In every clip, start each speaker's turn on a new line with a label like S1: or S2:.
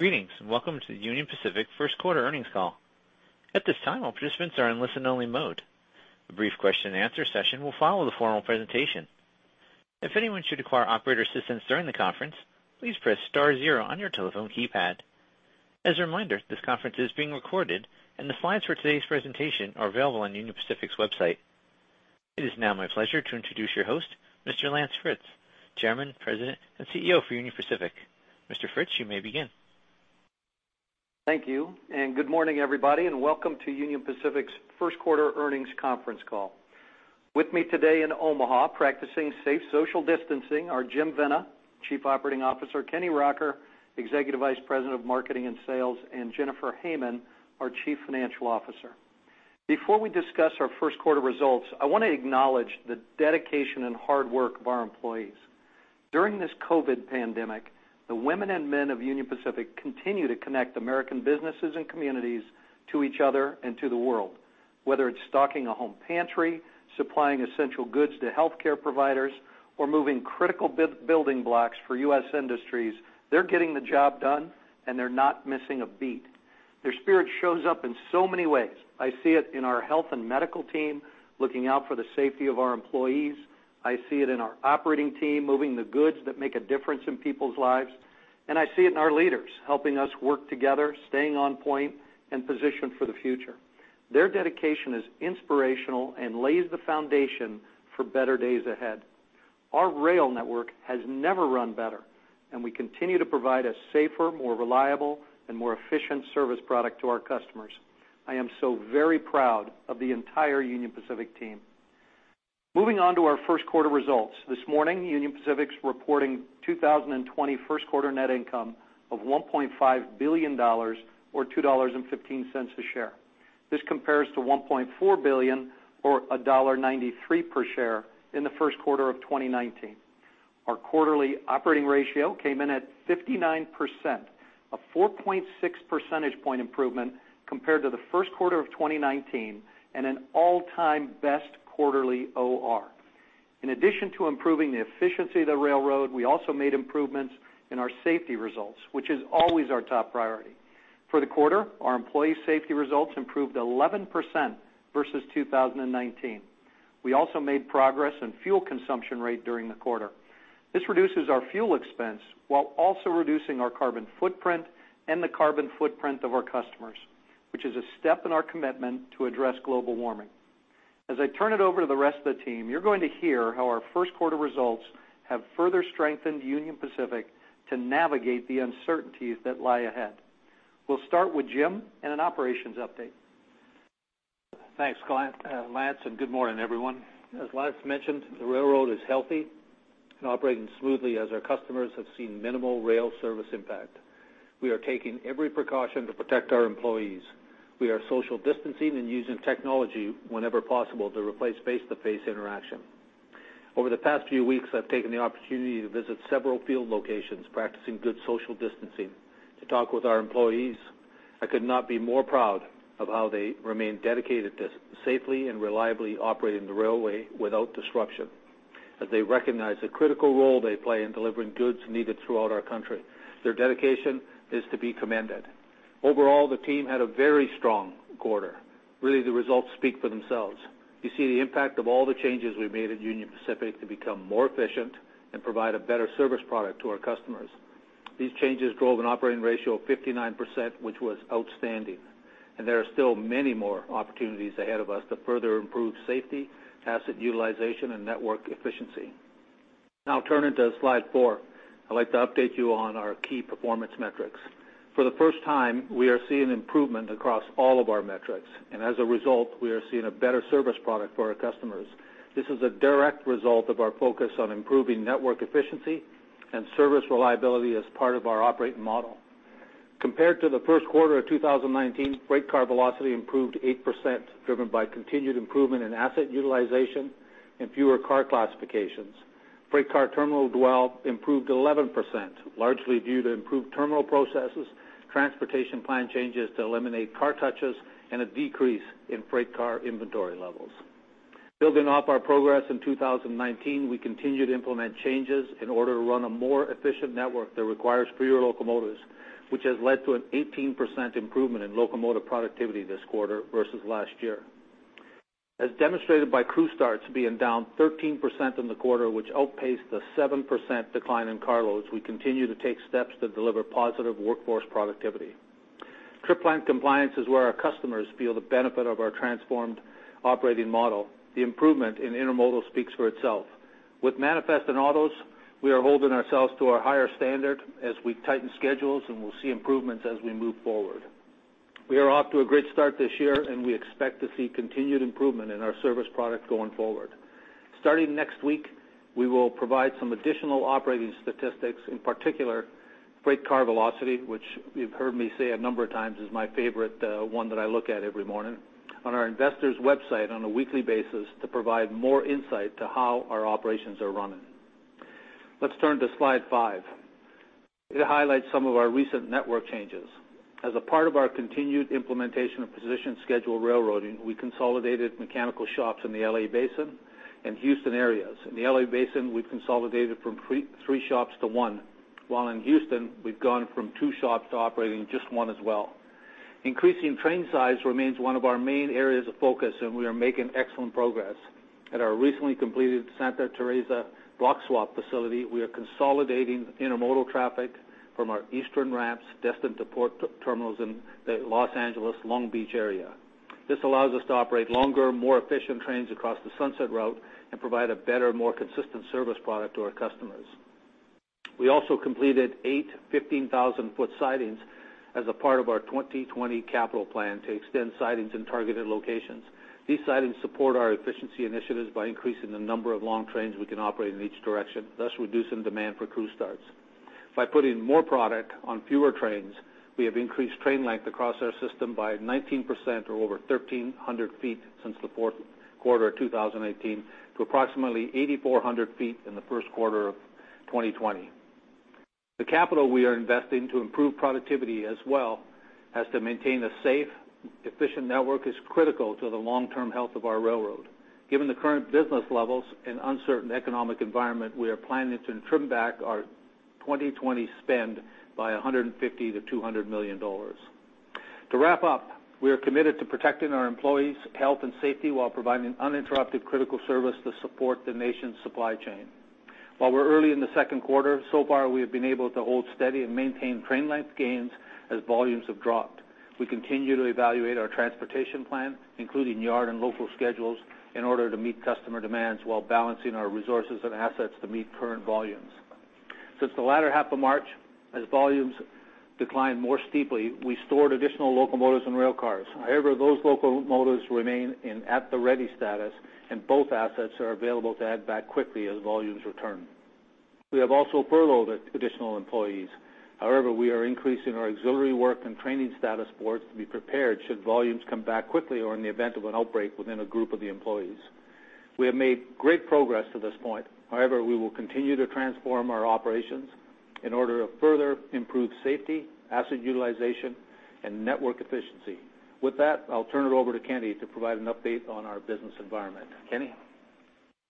S1: Greetings, welcome to the Union Pacific first quarter earnings call. At this time, all participants are in listen-only mode. A brief question-and-answer session will follow the formal presentation. If anyone should require operator assistance during the conference, please press star zero on your telephone keypad. As a reminder, this conference is being recorded, and the slides for today's presentation are available on Union Pacific's website. It is now my pleasure to introduce your host, Mr. Lance Fritz, Chairman, President, and CEO for Union Pacific. Mr. Fritz, you may begin.
S2: Thank you, and good morning, everybody, and welcome to Union Pacific's first quarter earnings conference call. With me today in Omaha, practicing safe social distancing, are Jim Vena, Chief Operating Officer, Kenny Rocker, Executive Vice President of Marketing and Sales, and Jennifer Hamann, our Chief Financial Officer. Before we discuss our first quarter results, I want to acknowledge the dedication and hard work of our employees. During this COVID pandemic, the women and men of Union Pacific continue to connect American businesses and communities to each other and to the world. Whether it's stocking a home pantry, supplying essential goods to healthcare providers, or moving critical building blocks for U.S. industries, they're getting the job done, and they're not missing a beat. Their spirit shows up in so many ways. I see it in our health and medical team, looking out for the safety of our employees. I see it in our operating team, moving the goods that make a difference in people's lives. I see it in our leaders, helping us work together, staying on point, and positioned for the future. Their dedication is inspirational and lays the foundation for better days ahead. Our rail network has never run better, and we continue to provide a safer, more reliable, and more efficient service product to our customers. I am so very proud of the entire Union Pacific team. Moving on to our first quarter results. This morning, Union Pacific's reporting 2020 first quarter net income of $1.5 billion, or $2.15 a share. This compares to $1.4 billion, or $1.93 per share in the first quarter of 2019. Our quarterly operating ratio came in at 59%, a 4.6 percentage point improvement compared to the first quarter of 2019, and an all-time best quarterly OR. In addition to improving the efficiency of the railroad, we also made improvements in our safety results, which is always our top priority. For the quarter, our employee safety results improved 11% versus 2019. We also made progress in fuel consumption rate during the quarter. This reduces our fuel expense while also reducing our carbon footprint and the carbon footprint of our customers, which is a step in our commitment to address global warming. As I turn it over to the rest of the team, you're going to hear how our first quarter results have further strengthened Union Pacific to navigate the uncertainties that lie ahead. We'll start with Jim and an operations update.
S3: Thanks, Lance. Good morning, everyone. As Lance mentioned, the railroad is healthy and operating smoothly as our customers have seen minimal rail service impact. We are taking every precaution to protect our employees. We are social distancing and using technology whenever possible to replace face-to-face interaction. Over the past few weeks, I've taken the opportunity to visit several field locations, practicing good social distancing, to talk with our employees. I could not be more proud of how they remain dedicated to safely and reliably operating the railway without disruption, as they recognize the critical role they play in delivering goods needed throughout our country. Their dedication is to be commended. Overall, the team had a very strong quarter. Really, the results speak for themselves. You see the impact of all the changes we've made at Union Pacific to become more efficient and provide a better service product to our customers. These changes drove an operating ratio of 59%, which was outstanding. There are still many more opportunities ahead of us to further improve safety, asset utilization, and network efficiency. Turning to slide four, I'd like to update you on our key performance metrics. For the first time, we are seeing improvement across all of our metrics, and as a result, we are seeing a better service product for our customers. This is a direct result of our focus on improving network efficiency and service reliability as part of our operating model. Compared to the first quarter of 2019, freight car velocity improved 8%, driven by continued improvement in asset utilization and fewer car classifications. Freight car terminal dwell improved 11%, largely due to improved terminal processes, transportation plan changes to eliminate car touches, and a decrease in freight car inventory levels. Building off our progress in 2019, we continue to implement changes in order to run a more efficient network that requires fewer locomotives, which has led to an 18% improvement in locomotive productivity this quarter versus last year. Demonstrated by crew starts being down 13% in the quarter, which outpaced the 7% decline in carloads, we continue to take steps to deliver positive workforce productivity. Trip plan compliance is where our customers feel the benefit of our transformed operating model. The improvement in intermodal speaks for itself. Manifest and autos, we are holding ourselves to a higher standard as we tighten schedules, and we'll see improvements as we move forward. We are off to a great start this year, and we expect to see continued improvement in our service product going forward. Starting next week, we will provide some additional operating statistics, in particular, freight car velocity, which you've heard me say a number of times is my favorite one that I look at every morning, on our investors' website on a weekly basis to provide more insight to how our operations are running. Let's turn to slide five. It highlights some of our recent network changes. As a part of our continued implementation of precision scheduled railroading, we consolidated mechanical shops in the L.A. Basin and Houston areas. In the L.A. Basin, we've consolidated from three shops to one. While in Houston, we've gone from two shops to operating just one as well. Increasing train size remains one of our main areas of focus, and we are making excellent progress. At our recently completed Santa Teresa block swap facility, we are consolidating intermodal traffic from our eastern ramps destined to port terminals in the Los Angeles, Long Beach area. This allows us to operate longer, more efficient trains across the Sunset Route and provide a better, more consistent service product to our customers. We also completed eight 15,000-foot sidings as a part of our 2020 capital plan to extend sidings in targeted locations. These sidings support our efficiency initiatives by increasing the number of long trains we can operate in each direction, thus reducing demand for crew starts. By putting more product on fewer trains, we have increased train length across our system by 19%, or over 1,300 feet since the fourth quarter of 2018 to approximately 8,400 feet in the first quarter of 2020. The capital we are investing to improve productivity as well as to maintain a safe, efficient network is critical to the long-term health of our railroad. Given the current business levels and uncertain economic environment, we are planning to trim back our 2020 spend by $150 million-$200 million. To wrap up, we are committed to protecting our employees' health and safety while providing uninterrupted critical service to support the nation's supply chain. While we're early in the second quarter, so far, we have been able to hold steady and maintain train length gains as volumes have dropped. We continue to evaluate our transportation plan, including yard and local schedules, in order to meet customer demands while balancing our resources and assets to meet current volumes. Since the latter half of March, as volumes declined more steeply, we stored additional locomotives and rail cars. Those locomotives remain in at the ready status, and both assets are available to add back quickly as volumes return. We have also furloughed additional employees. We are increasing our auxiliary work and training status boards to be prepared should volumes come back quickly or in the event of an outbreak within a group of the employees. We have made great progress to this point. We will continue to transform our operations in order to further improve safety, asset utilization, and network efficiency. With that, I'll turn it over to Kenny to provide an update on our business environment. Kenny?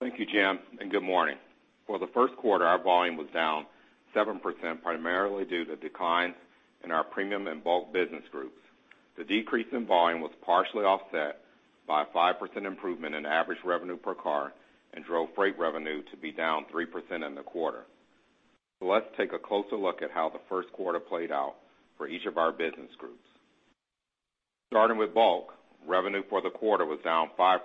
S4: Thank you, Jim. Good morning. For the first quarter, our volume was down 7%, primarily due to declines in our premium and bulk business groups. The decrease in volume was partially offset by a 5% improvement in average revenue per car and drove freight revenue to be down 3% in the quarter. Let's take a closer look at how the first quarter played out for each of our business groups. Starting with bulk, revenue for the quarter was down 5%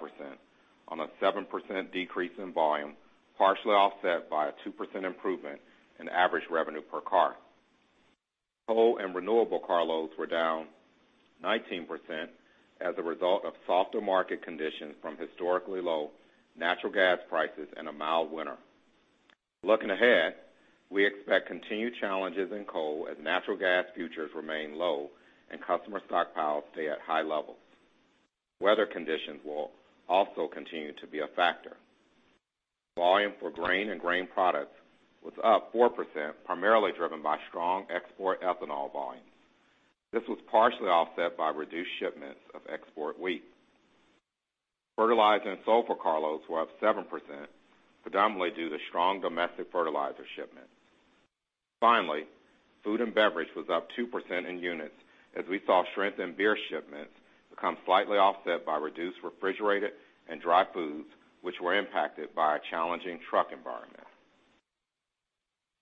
S4: on a 7% decrease in volume, partially offset by a 2% improvement in average revenue per car. Coal and renewable carloads were down 19% as a result of softer market conditions from historically low natural gas prices and a mild winter. Looking ahead, we expect continued challenges in coal as natural gas futures remain low and customer stockpiles stay at high levels. Weather conditions will also continue to be a factor. Volume for grain and grain products was up 4%, primarily driven by strong export ethanol volumes. This was partially offset by reduced shipments of export wheat. Fertilizer and sulfur carloads were up 7%, predominantly due to strong domestic fertilizer shipments. Finally, food and beverage was up 2% in units as we saw strength in beer shipments become slightly offset by reduced refrigerated and dry foods, which were impacted by a challenging truck environment.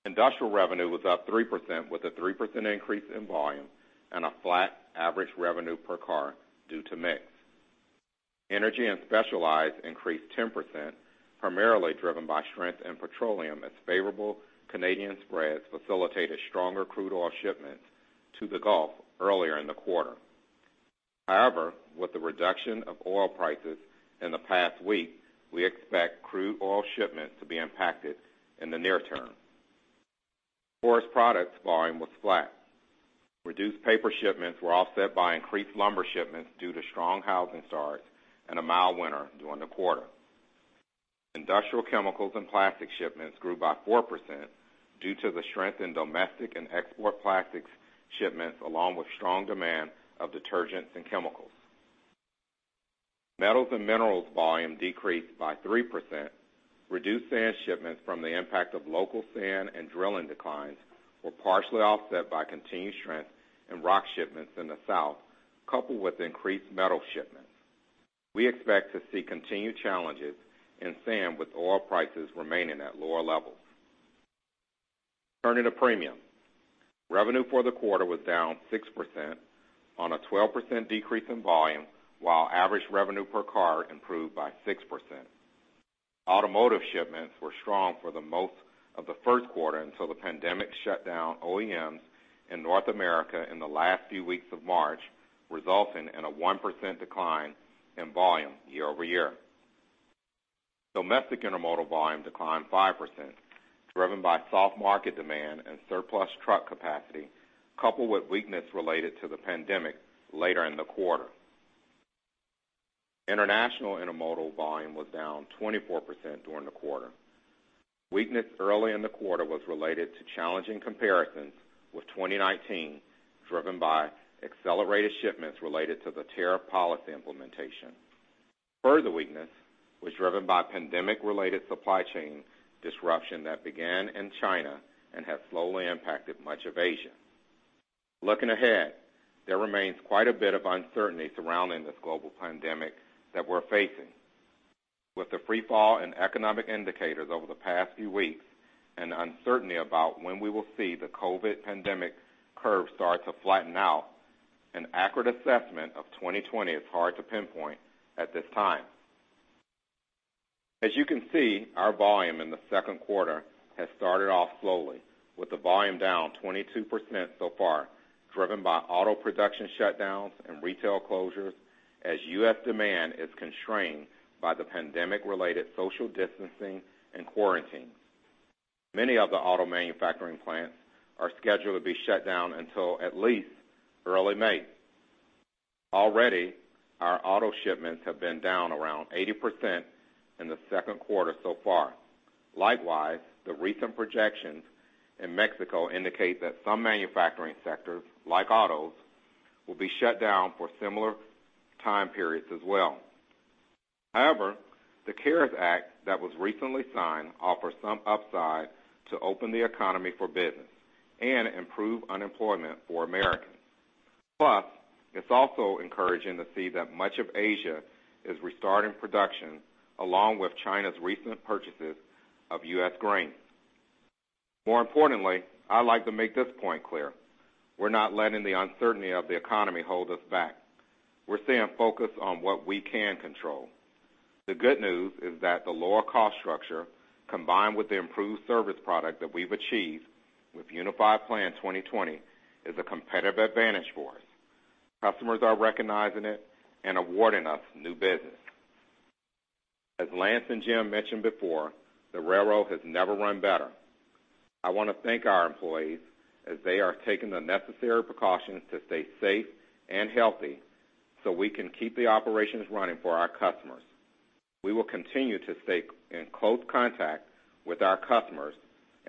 S4: Industrial revenue was up 3% with a 3% increase in volume and a flat average revenue per car due to mix. Energy and specialized increased 10%, primarily driven by strength in petroleum as favorable Canadian spreads facilitated stronger crude oil shipments to the Gulf earlier in the quarter. With the reduction of oil prices in the past week, we expect crude oil shipments to be impacted in the near term. Forest products volume was flat. Reduced paper shipments were offset by increased lumber shipments due to strong housing starts and a mild winter during the quarter. Industrial chemicals and plastics shipments grew by 4% due to the strength in domestic and export plastics shipments, along with strong demand of detergents and chemicals. Metals and minerals volume decreased by 3%. Reduced sand shipments from the impact of local sand and drilling declines were partially offset by continued strength in rock shipments in the south, coupled with increased metal shipments. We expect to see continued challenges in sand with oil prices remaining at lower levels. Turning to premium. Revenue for the quarter was down 6% on a 12% decrease in volume, while average revenue per car improved by 6%. Automotive shipments were strong for the most of the first quarter until the pandemic shut down OEMs in North America in the last few weeks of March, resulting in a 1% decline in volume year-over-year. Domestic intermodal volume declined 5%, driven by soft market demand and surplus truck capacity, coupled with weakness related to the pandemic later in the quarter. International intermodal volume was down 24% during the quarter. Weakness early in the quarter was related to challenging comparisons with 2019, driven by accelerated shipments related to the tariff policy implementation. Further weakness was driven by pandemic-related supply chain disruption that began in China and has slowly impacted much of Asia. Looking ahead, there remains quite a bit of uncertainty surrounding this global pandemic that we're facing. With the free fall in economic indicators over the past few weeks and the uncertainty about when we will see the COVID pandemic curve start to flatten out, an accurate assessment of 2020 is hard to pinpoint at this time. As you can see, our volume in the second quarter has started off slowly, with the volume down 22% so far, driven by auto production shutdowns and retail closures, as U.S. demand is constrained by the pandemic-related social distancing and quarantine. Many of the auto manufacturing plants are scheduled to be shut down until at least early May. Already, our auto shipments have been down around 80% in the second quarter so far. Likewise, the recent projections in Mexico indicate that some manufacturing sectors, like autos, will be shut down for similar time periods as well. The CARES Act that was recently signed offers some upside to open the economy for business and improve unemployment for Americans. It's also encouraging to see that much of Asia is restarting production, along with China's recent purchases of U.S. grain. I'd like to make this point clear: We're not letting the uncertainty of the economy hold us back. We're staying focused on what we can control. The good news is that the lower cost structure, combined with the improved service product that we've achieved with Unified Plan 2020, is a competitive advantage for us. Customers are recognizing it and awarding us new business. Lance and Jim mentioned before, the railroad has never run better. I want to thank our employees, as they are taking the necessary precautions to stay safe and healthy so we can keep the operations running for our customers. We will continue to stay in close contact with our customers.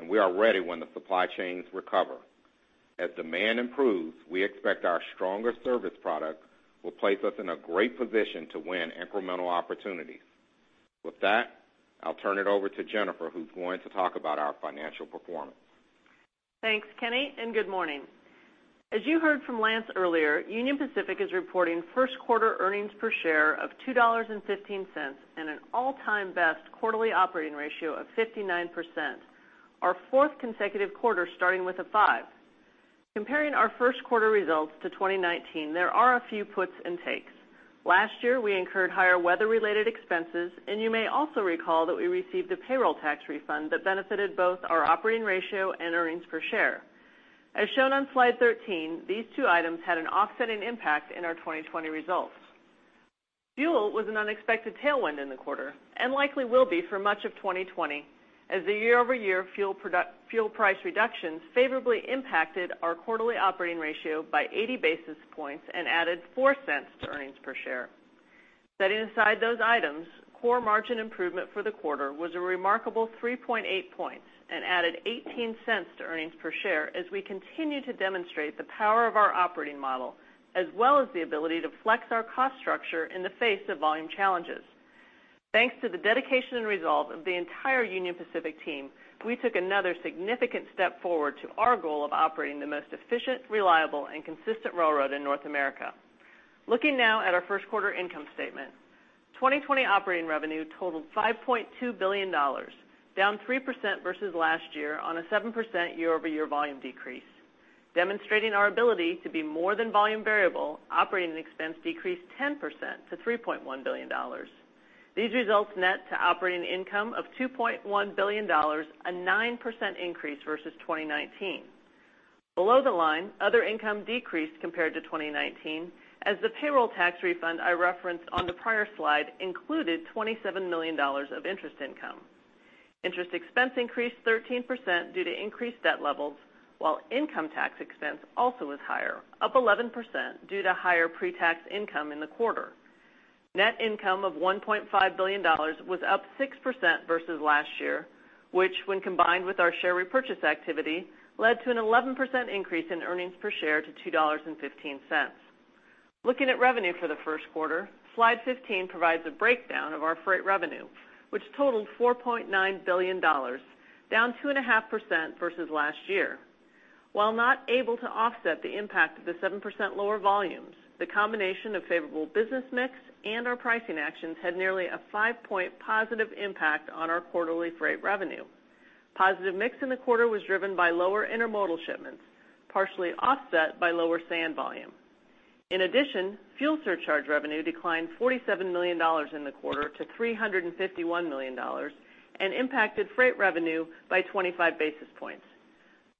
S4: We are ready when the supply chains recover. As demand improves, we expect our stronger service product will place us in a great position to win incremental opportunities. With that, I'll turn it over to Jennifer, who's going to talk about our financial performance.
S5: Thanks, Kenny, and good morning. As you heard from Lance earlier, Union Pacific is reporting first quarter earnings per share of $2.15 and an all-time best quarterly operating ratio of 59%, our fourth consecutive quarter starting with a five. Comparing our first quarter results to 2019, there are a few puts and takes. Last year, we incurred higher weather-related expenses, and you may also recall that we received a payroll tax refund that benefited both our operating ratio and earnings per share. As shown on slide 13, these two items had an offsetting impact in our 2020 results. Fuel was an unexpected tailwind in the quarter and likely will be for much of 2020, as the year-over-year fuel price reductions favorably impacted our quarterly operating ratio by 80 basis points and added $0.04 to earnings per share. Set inside those items, core margin improvement for the quarter was a remarkable 3.8 points and added $0.18 to earnings per share as we continue to demonstrate the power of our operating model, as well as the ability to flex our cost structure in the face of volume challenges. Thanks to the dedication and resolve of the entire Union Pacific team, we took another significant step forward to our goal of operating the most efficient, reliable, and consistent railroad in North America. Looking now at our first quarter income statement, 2020 operating revenue totaled $5.2 billion, down 3% versus last year on a 7% year-over-year volume decrease. Demonstrating our ability to be more than volume variable, operating expense decreased 10% to $3.1 billion. These results net to operating income of $2.1 billion, a 9% increase versus 2019. Below the line, other income decreased compared to 2019 as the payroll tax refund I referenced on the prior slide included $27 million of interest income. Interest expense increased 13% due to increased debt levels, while income tax expense also was higher, up 11% due to higher pre-tax income in the quarter. Net income of $1.5 billion was up 6% versus last year, which, when combined with our share repurchase activity, led to an 11% increase in earnings per share to $2.15. Looking at revenue for the first quarter, slide 15 provides a breakdown of our freight revenue, which totaled $4.9 billion, down 2.5% versus last year. While not able to offset the impact of the 7% lower volumes, the combination of favorable business mix and our pricing actions had nearly a five-point positive impact on our quarterly freight revenue. Positive mix in the quarter was driven by lower intermodal shipments, partially offset by lower sand volume. Fuel surcharge revenue declined $47 million in the quarter to $351 million and impacted freight revenue by 25 basis points.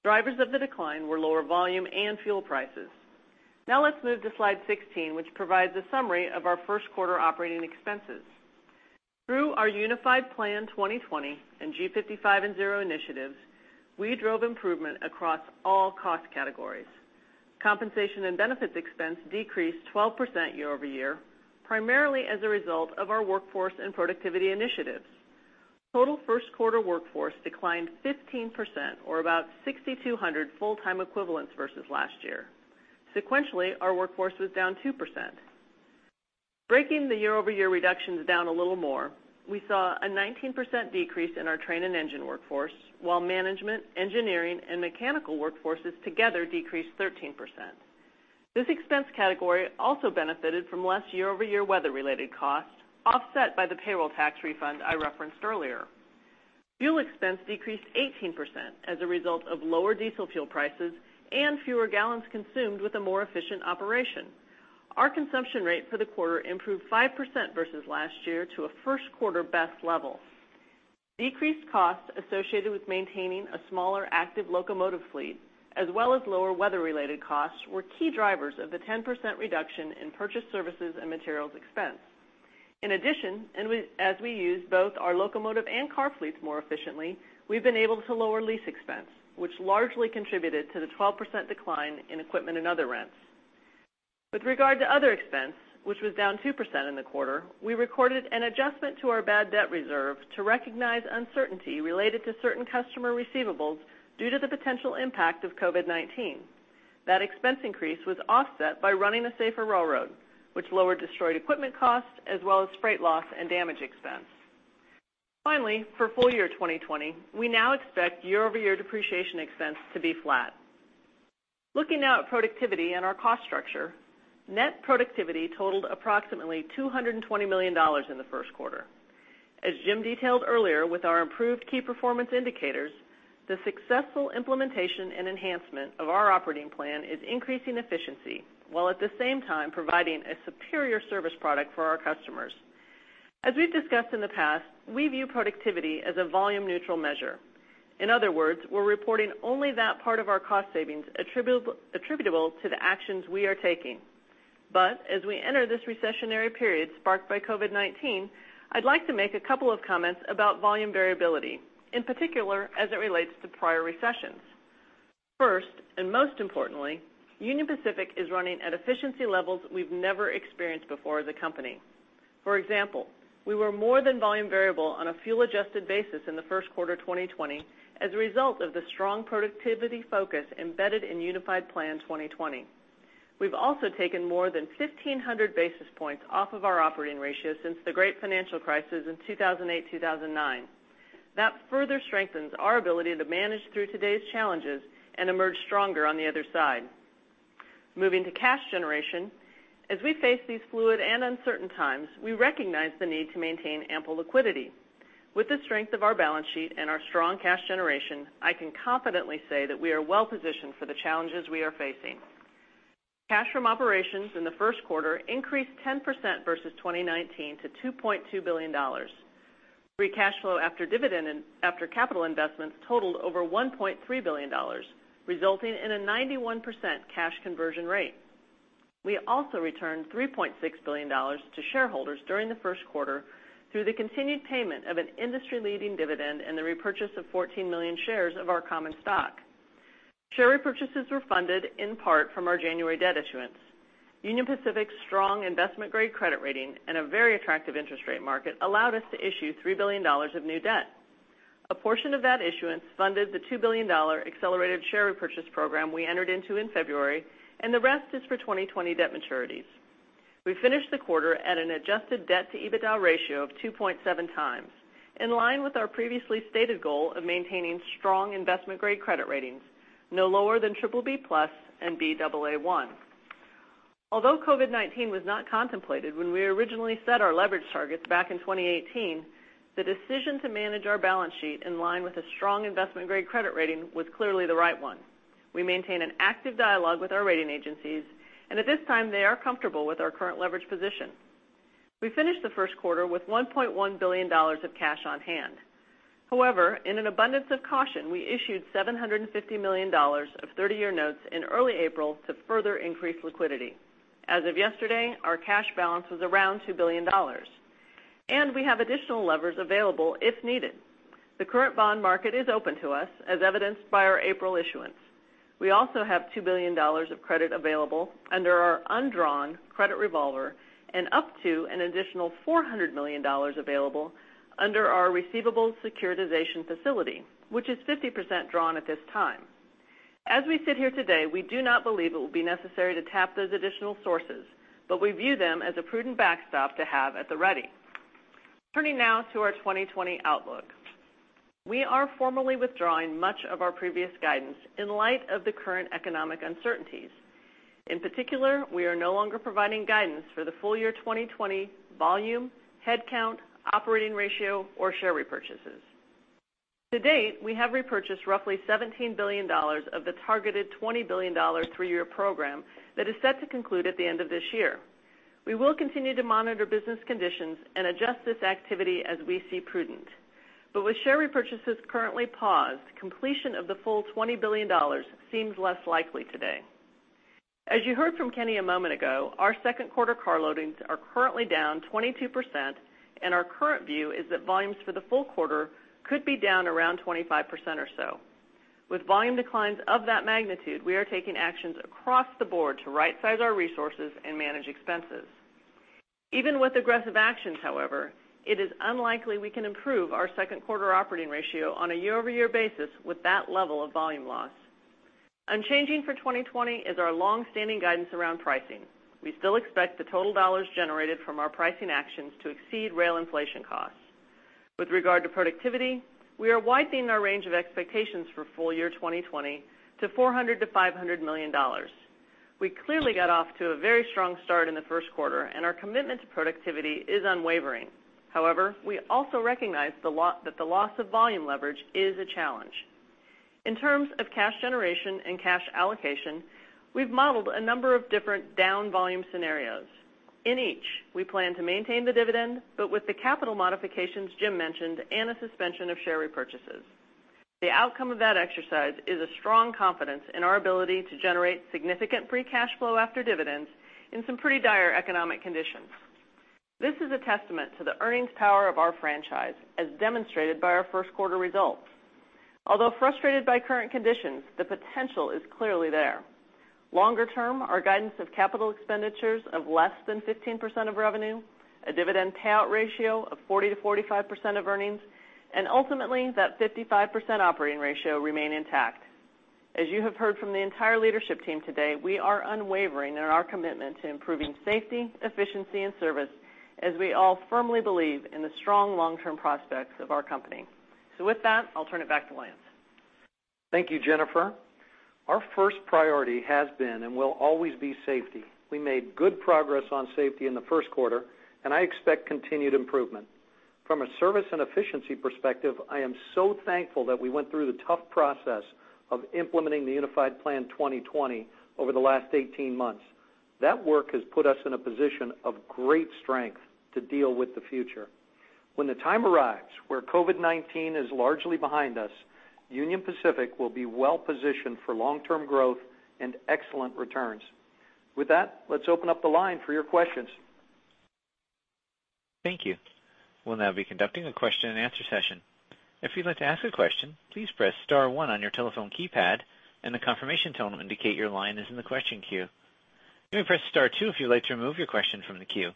S5: Drivers of the decline were lower volume and fuel prices. Let's move to slide 16, which provides a summary of our first quarter operating expenses. Through our Unified Plan 2020 and G55 and Zero initiatives, we drove improvement across all cost categories. Compensation and benefits expense decreased 12% year-over-year, primarily as a result of our workforce and productivity initiatives. Total first quarter workforce declined 15%, or about 6,200 full-time equivalents versus last year. Sequentially, our workforce was down 2%. Breaking the year-over-year reductions down a little more, we saw a 19% decrease in our train and engine workforce, while management, engineering, and mechanical workforces together decreased 13%. This expense category also benefited from less year-over-year weather-related costs, offset by the payroll tax refund I referenced earlier. Fuel expense decreased 18% as a result of lower diesel fuel prices and fewer gallons consumed with a more efficient operation. Our consumption rate for the quarter improved 5% versus last year to a first quarter best level. Decreased costs associated with maintaining a smaller active locomotive fleet, as well as lower weather-related costs, were key drivers of the 10% reduction in purchased services and materials expense. In addition, as we use both our locomotive and car fleets more efficiently, we've been able to lower lease expense, which largely contributed to the 12% decline in equipment and other rents. With regard to other expense, which was down 2% in the quarter, we recorded an adjustment to our bad debt reserve to recognize uncertainty related to certain customer receivables due to the potential impact of COVID-19. That expense increase was offset by running a safer railroad, which lowered destroyed equipment costs as well as freight loss and damage expense. Finally, for full year 2020, we now expect year-over-year depreciation expense to be flat. Looking now at productivity and our cost structure, net productivity totaled approximately $220 million in the first quarter. As Jim detailed earlier, with our improved key performance indicators, the successful implementation and enhancement of our operating plan is increasing efficiency, while at the same time providing a superior service product for our customers. As we've discussed in the past, we view productivity as a volume neutral measure. In other words, we're reporting only that part of our cost savings attributable to the actions we are taking. As we enter this recessionary period sparked by COVID-19, I'd like to make a couple of comments about volume variability, in particular as it relates to prior recessions. First, and most importantly, Union Pacific is running at efficiency levels we've never experienced before as a company. For example, we were more than volume variable on a fuel-adjusted basis in the first quarter 2020 as a result of the strong productivity focus embedded in Unified Plan 2020. We've also taken more than 1,500 basis points off of our operating ratio since the great financial crisis in 2008-2009. That further strengthens our ability to manage through today's challenges and emerge stronger on the other side. Moving to cash generation, as we face these fluid and uncertain times, we recognize the need to maintain ample liquidity. With the strength of our balance sheet and our strong cash generation, I can confidently say that we are well positioned for the challenges we are facing. Cash from operations in the first quarter increased 10% versus 2019 to $2.2 billion. Free cash flow after capital investments totaled over $1.3 billion, resulting in a 91% cash conversion rate. We also returned $3.6 billion to shareholders during the first quarter through the continued payment of an industry-leading dividend and the repurchase of 14 million shares of our common stock. Share repurchases were funded in part from our January debt issuance. Union Pacific's strong investment-grade credit rating and a very attractive interest rate market allowed us to issue $3 billion of new debt. A portion of that issuance funded the $2 billion accelerated share repurchase program we entered into in February, and the rest is for 2020 debt maturities. We finished the quarter at an adjusted debt to EBITDA ratio of 2.7x, in line with our previously stated goal of maintaining strong investment-grade credit ratings, no lower than BBB+ and Baa1. Although COVID-19 was not contemplated when we originally set our leverage targets back in 2018, the decision to manage our balance sheet in line with a strong investment-grade credit rating was clearly the right one. We maintain an active dialogue with our rating agencies, and at this time, they are comfortable with our current leverage position. We finished the first quarter with $1.1 billion of cash on hand. However, in an abundance of caution, we issued $750 million of 30-year notes in early April to further increase liquidity. As of yesterday, our cash balance was around $2 billion. We have additional levers available if needed. The current bond market is open to us, as evidenced by our April issuance. We also have $2 billion of credit available under our undrawn credit revolver and up to an additional $400 million available under our receivables securitization facility, which is 50% drawn at this time. As we sit here today, we do not believe it will be necessary to tap those additional sources, but we view them as a prudent backstop to have at the ready. Turning now to our 2020 outlook. We are formally withdrawing much of our previous guidance in light of the current economic uncertainties. In particular, we are no longer providing guidance for the full year 2020 volume, headcount, operating ratio, or share repurchases. To date, we have repurchased roughly $17 billion of the targeted $20 billion three-year program that is set to conclude at the end of this year. We will continue to monitor business conditions and adjust this activity as we see prudent. With share repurchases currently paused, completion of the full $20 billion seems less likely today. As you heard from Kenny a moment ago, our second quarter car loadings are currently down 22%, and our current view is that volumes for the full quarter could be down around 25% or so. With volume declines of that magnitude, we are taking actions across the board to right-size our resources and manage expenses. Even with aggressive actions, however, it is unlikely we can improve our second quarter operating ratio on a year-over-year basis with that level of volume loss. Unchanging for 2020 is our long-standing guidance around pricing. We still expect the total dollars generated from our pricing actions to exceed rail inflation costs. With regard to productivity, we are widening our range of expectations for full year 2020 to $400 million-$500 million. We clearly got off to a very strong start in the first quarter, and our commitment to productivity is unwavering. However, we also recognize that the loss of volume leverage is a challenge. In terms of cash generation and cash allocation, we've modeled a number of different down volume scenarios. In each, we plan to maintain the dividend, but with the capital modifications Jim mentioned and a suspension of share repurchases. The outcome of that exercise is a strong confidence in our ability to generate significant free cash flow after dividends in some pretty dire economic conditions. This is a testament to the earnings power of our franchise, as demonstrated by our first quarter results. Although frustrated by current conditions, the potential is clearly there. Longer term, our guidance of capital expenditures of less than 15% of revenue, a dividend payout ratio of 40%-45% of earnings, and ultimately, that 55% operating ratio remain intact. As you have heard from the entire leadership team today, we are unwavering in our commitment to improving safety, efficiency, and service as we all firmly believe in the strong long-term prospects of our company. With that, I'll turn it back to Lance.
S2: Thank you, Jennifer. Our first priority has been and will always be safety. We made good progress on safety in the first quarter. I expect continued improvement. From a service and efficiency perspective, I am so thankful that we went through the tough process of implementing the Unified Plan 2020 over the last 18 months. That work has put us in a position of great strength to deal with the future. When the time arrives where COVID-19 is largely behind us, Union Pacific will be well-positioned for long-term growth and excellent returns. With that, let's open up the line for your questions.
S1: Thank you. We'll now be conducting a question-and-answer session. If you'd like to ask a question, please press star one on your telephone keypad, and a confirmation tone will indicate your line is in the question queue. You may press star two if you'd like to remove your question from the queue.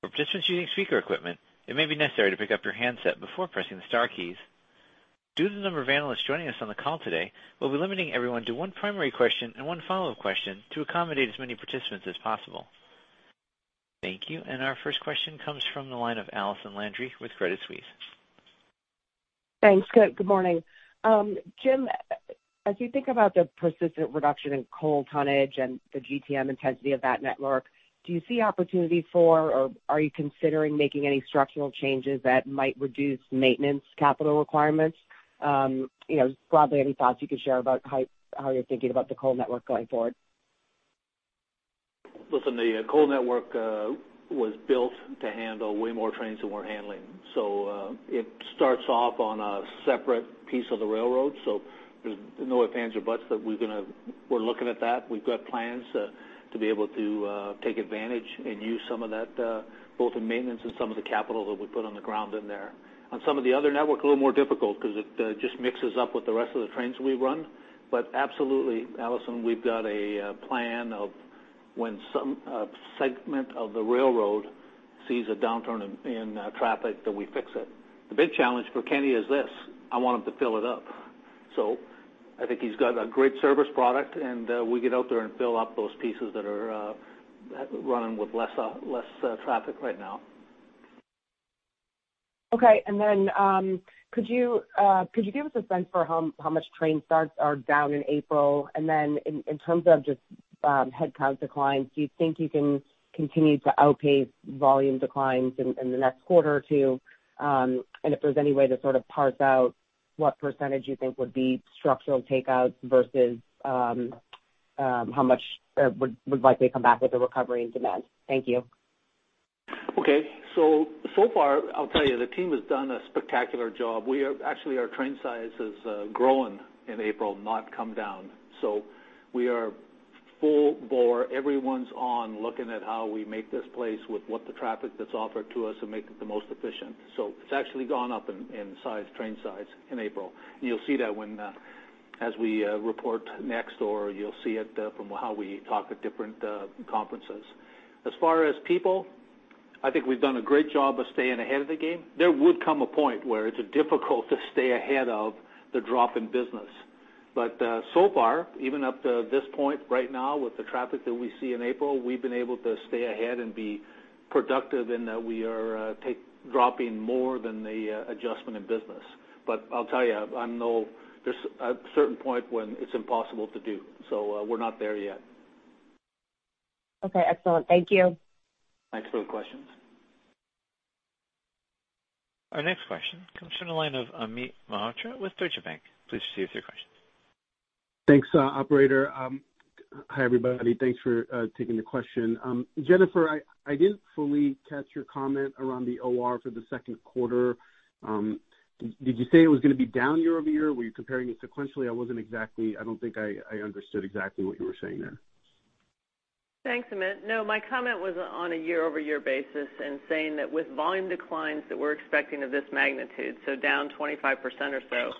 S1: For participants using speaker equipment, it may be necessary to pick up your handset before pressing the star keys. Due to the number of analysts joining us on the call today, we'll be limiting everyone to one primary question and one follow-up question to accommodate as many participants as possible. Thank you. Our first question comes from the line of Allison Landry with Credit Suisse.
S6: Thanks. Good morning. Jim, as you think about the persistent reduction in coal tonnage and the GTM intensity of that network, do you see opportunity for, or are you considering making any structural changes that might reduce maintenance capital requirements? Broadly, any thoughts you could share about how you're thinking about the coal network going forward?
S3: Listen, the coal network was built to handle way more trains than we're handling. It starts off on a separate piece of the railroad. There's no ifs, ands, or buts that we're looking at that. We've got plans to be able to take advantage and use some of that, both in maintenance and some of the capital that we put on the ground in there. On some of the other network, a little more difficult because it just mixes up with the rest of the trains we run. Absolutely, Allison, we've got a plan of when some segment of the railroad sees a downturn in traffic that we fix it. The big challenge for Kenny is this, I want him to fill it up. I think he's got a great service product, and we get out there and fill up those pieces that are running with less traffic right now.
S6: Okay. Could you give us a sense for how much train starts are down in April? In terms of just headcount declines, do you think you can continue to outpace volume declines in the next quarter or two? If there's any way to sort of parse out what percentage you think would be structural takeouts versus how much would likely come back with the recovery in demand. Thank you.
S3: Okay. So far, I'll tell you, the team has done a spectacular job. Actually, our train size has grown in April, not come down. We are full bore. Everyone's on looking at how we make this place with what the traffic that's offered to us and make it the most efficient. It's actually gone up in train size in April. You'll see that as we report next, or you'll see it from how we talk at different conferences. As far as people, I think we've done a great job of staying ahead of the game. There would come a point where it's difficult to stay ahead of the drop in business. So far, even up to this point right now with the traffic that we see in April, we've been able to stay ahead and be productive in that we are dropping more than the adjustment in business. I'll tell you, there's a certain point when it's impossible to do. We're not there yet.
S6: Okay, excellent. Thank you.
S3: Thanks for the questions.
S1: Our next question comes from the line of Amit Mehrotra with Deutsche Bank. Please proceed with your question.
S7: Thanks, operator. Hi, everybody. Thanks for taking the question. Jennifer, I didn't fully catch your comment around the OR for the second quarter. Did you say it was going to be down year-over-year? Were you comparing it sequentially? I don't think I understood exactly what you were saying there.
S5: Thanks, Amit. No, my comment was on a year-over-year basis and saying that with volume declines that we're expecting of this magnitude, so down 25% or so.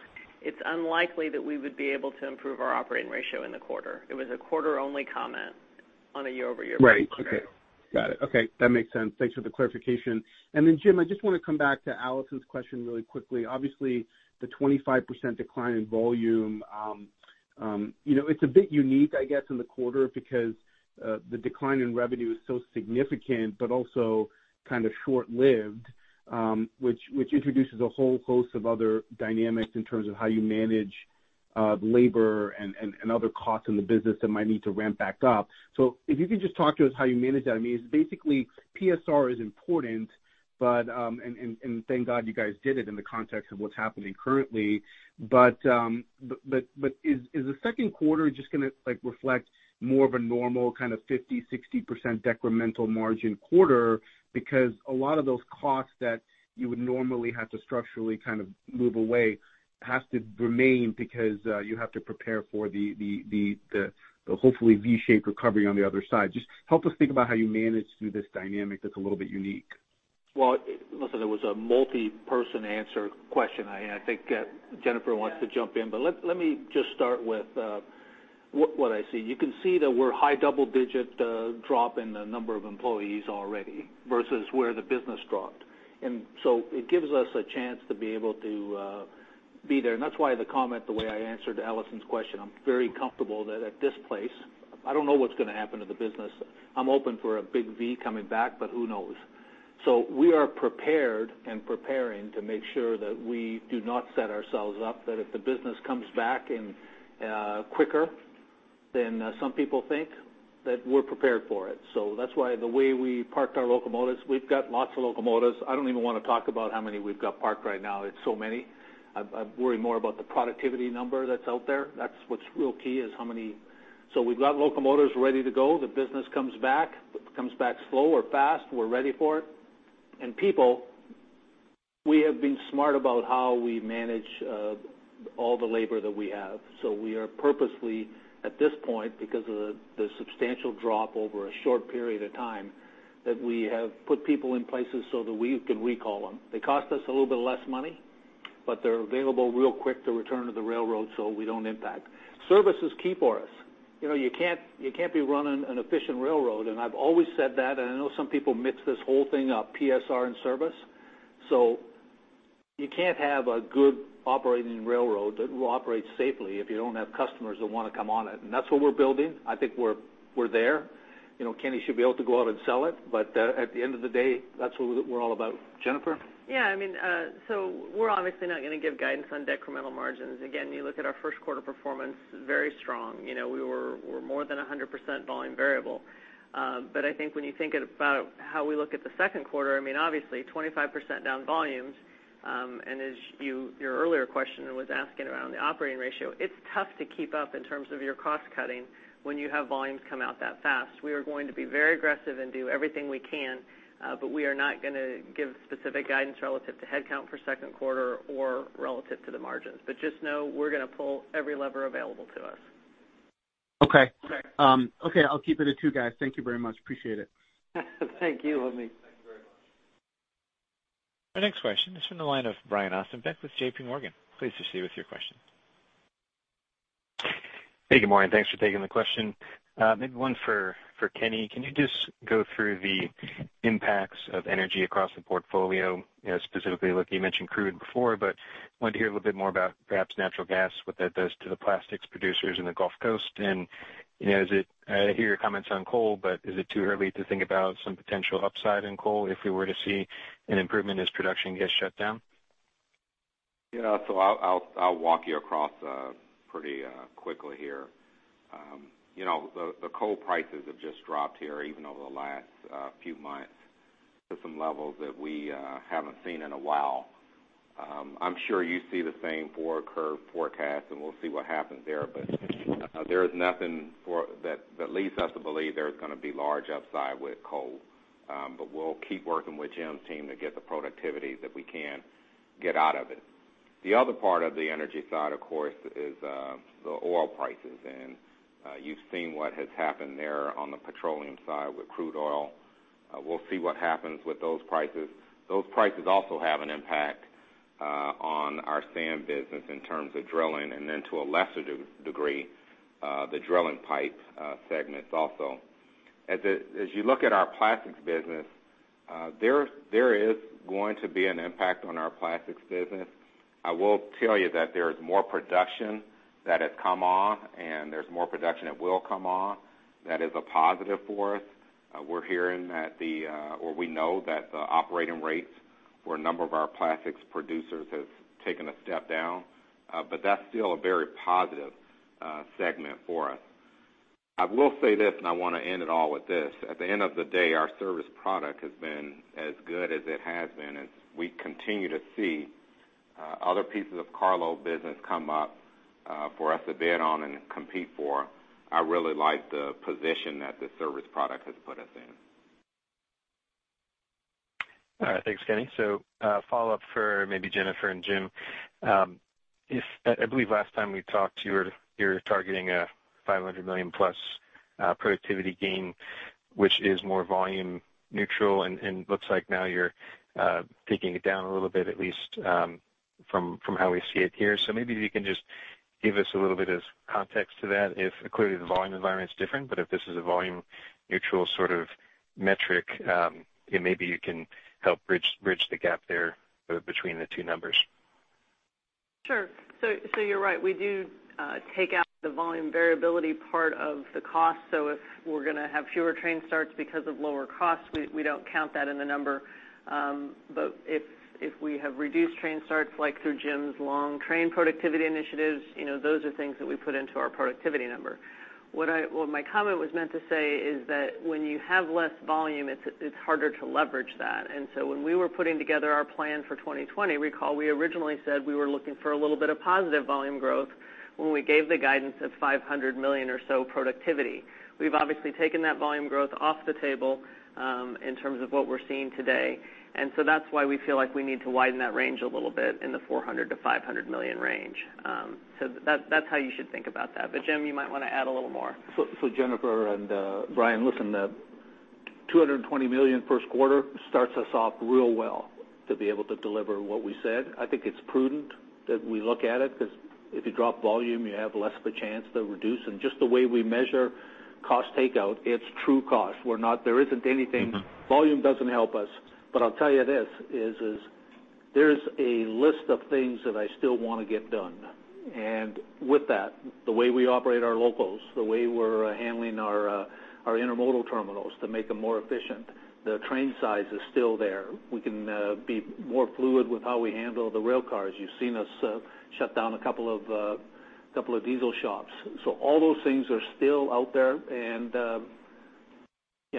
S5: It's unlikely that we would be able to improve our operating ratio in the quarter. It was a quarter-only comment on a year-over-year comparison.
S7: Right. Okay. Got it. Okay, that makes sense. Thanks for the clarification. Then Jim, I just want to come back to Allison's question really quickly. Obviously, the 25% decline in volume, it's a bit unique, I guess, in the quarter because the decline in revenue is so significant, but also kind of short-lived, which introduces a whole host of other dynamics in terms of how you manage labor and other costs in the business that might need to ramp back up. If you could just talk to us how you manage that. I mean, basically, PSR is important, and thank God you guys did it in the context of what's happening currently. Is the second quarter just going to reflect more of a normal kind of 50%, 60% decremental margin quarter? A lot of those costs that you would normally have to structurally move away have to remain because you have to prepare for the, hopefully, V-shaped recovery on the other side. Just help us think about how you manage through this dynamic that's a little bit unique?
S3: Listen, it was a multi-person answer question. I think Jennifer wants to jump in, but let me just start with what I see. You can see that we're high double-digit drop in the number of employees already versus where the business dropped. It gives us a chance to be able to be there. That's why the comment, the way I answered Allison's question, I'm very comfortable that at this place, I don't know what's going to happen to the business. I'm open for a big V coming back, who knows? We are prepared and preparing to make sure that we do not set ourselves up, that if the business comes back quicker than some people think, that we're prepared for it. That's why the way we parked our locomotives, we've got lots of locomotives. I don't even want to talk about how many we've got parked right now. It's so many. I worry more about the productivity number that's out there. That's what's real key is. We've got locomotives ready to go. The business comes back slow or fast, we're ready for it. People, we have been smart about how we manage all the labor that we have. We are purposely, at this point, because of the substantial drop over a short period of time, that we have put people in places so that we can recall them. They cost us a little bit less money, but they're available real quick to return to the railroad, so we don't impact. Service is key for us. You can't be running an efficient railroad, and I've always said that, and I know some people mix this whole thing up, PSR and service. You can't have a good operating railroad that will operate safely if you don't have customers that want to come on it. That's what we're building. I think we're there. Kenny should be able to go out and sell it. At the end of the day, that's what we're all about. Jennifer?
S5: Yeah. We're obviously not going to give guidance on decremental margins. Again, you look at our first quarter performance, very strong. We were more than 100% volume variable. I think when you think about how we look at the second quarter, obviously, 25% down volumes, and as your earlier question was asking around the operating ratio, it's tough to keep up in terms of your cost cutting when you have volumes come out that fast. We are going to be very aggressive and do everything we can, but we are not going to give specific guidance relative to headcount for second quarter or relative to the margins. Just know we're going to pull every lever available to us.
S7: Okay. I'll keep it at two, guys. Thank you very much. Appreciate it.
S3: Thank you, Amit. Thank you very much.
S1: Our next question is from the line of Brian Ossenbeck with JPMorgan. Please proceed with your question.
S8: Hey, good morning. Thanks for taking the question. Maybe one for Kenny. Can you just go through the impacts of energy across the portfolio? Specifically looking, you mentioned crude before, but wanted to hear a little bit more about perhaps natural gas, what that does to the plastics producers in the Gulf Coast. I hear your comments on coal. Is it too early to think about some potential upside in coal if we were to see an improvement as production gets shut down?
S4: I'll walk you across pretty quickly here. The coal prices have just dropped here, even over the last few months, to some levels that we haven't seen in a while. I'm sure you see the same forward curve forecast, and we'll see what happens there. There is nothing that leads us to believe there's going to be large upside with coal. We'll keep working with Jim's team to get the productivity that we can get out of it. The other part of the energy side, of course, is the oil prices. You've seen what has happened there on the petroleum side with crude oil. We'll see what happens with those prices. Those prices also have an impact on our sand business in terms of drilling, and then to a lesser degree, the drilling pipe segments also. As you look at our plastics business, there is going to be an impact on our plastics business. I will tell you that there is more production that had come off, and there's more production that will come off. That is a positive for us. We're hearing or we know that the operating rates for a number of our plastics producers have taken a step down, but that's still a very positive segment for us. I will say this, and I want to end it all with this. At the end of the day, our service product has been as good as it has been, and we continue to see other pieces of carload business come up for us to bid on and compete for. I really like the position that the service product has put us in.
S8: All right. Thanks, Kenny. A follow-up for maybe Jennifer and Jim. I believe last time we talked, you were targeting a $500 million+ productivity gain, which is more volume neutral and looks like now you're taking it down a little bit, at least from how we see it here. Maybe if you can just give us a little bit of context to that if, clearly, the volume environment is different, but if this is a volume neutral sort of metric, and maybe you can help bridge the gap there between the two numbers.
S5: Sure. You're right, we do take out the volume variability part of the cost. If we're going to have fewer train starts because of lower costs, we don't count that in the number. If we have reduced train starts, like through Jim's long train productivity initiatives, those are things that we put into our productivity number. What my comment was meant to say is that when you have less volume, it's harder to leverage that. When we were putting together our plan for 2020, recall we originally said we were looking for a little bit of positive volume growth when we gave the guidance of $500 million or so productivity. We've obviously taken that volume growth off the table, in terms of what we're seeing today. That's why we feel like we need to widen that range a little bit in the $400-$500 million range. That's how you should think about that. Jim, you might want to add a little more.
S3: Jennifer and Brian, listen, the $220 million first quarter starts us off real well to be able to deliver what we said. I think it's prudent that we look at it, because if you drop volume, you have less of a chance to reduce. Just the way we measure cost takeout, it's true cost. Volume doesn't help us. I'll tell you this, is there's a list of things that I still want to get done. The way we operate our locals, the way we're handling our intermodal terminals to make them more efficient, the train size is still there. We can be more fluid with how we handle the rail cars. You've seen us shut down a couple of diesel shops. All those things are still out there, and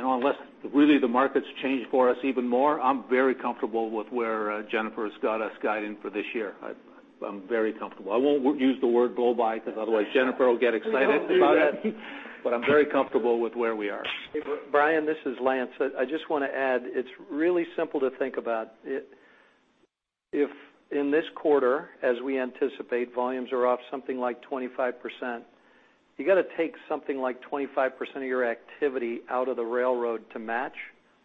S3: unless really the market's changed for us even more, I'm very comfortable with where Jennifer's got us guiding for this year. I'm very comfortable. I won't use the word global because otherwise Jennifer will get excited about it. I'm very comfortable with where we are.
S2: Brian, this is Lance. I just want to add, it's really simple to think about. If in this quarter, as we anticipate, volumes are off something like 25%, you got to take something like 25% of your activity out of the railroad to match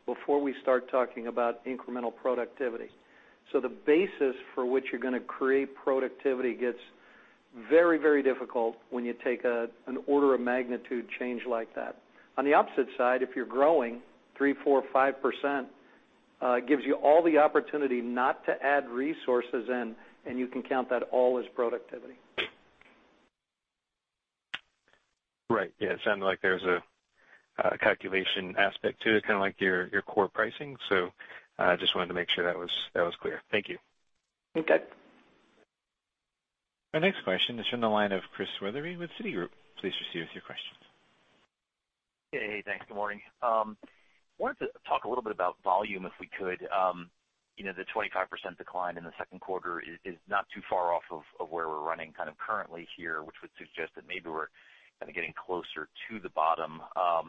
S2: before we start talking about incremental productivity. The basis for which you're going to create productivity gets very difficult when you take an order of magnitude change like that. On the opposite side, if you're growing 3%, 4%, 5%, it gives you all the opportunity not to add resources in, and you can count that all as productivity.
S8: Right. Yeah, it sounded like there was a calculation aspect to it, kind of like your core pricing. Just wanted to make sure that was clear. Thank you.
S5: Okay.
S1: Our next question is from the line of Chris Wetherbee with Citigroup. Please proceed with your questions.
S9: Hey, thanks. Good morning. I wanted to talk a little bit about volume, if we could. The 25% decline in the second quarter is not too far off of where we're running kind of currently here, which would suggest that maybe we're kind of getting closer to the bottom. I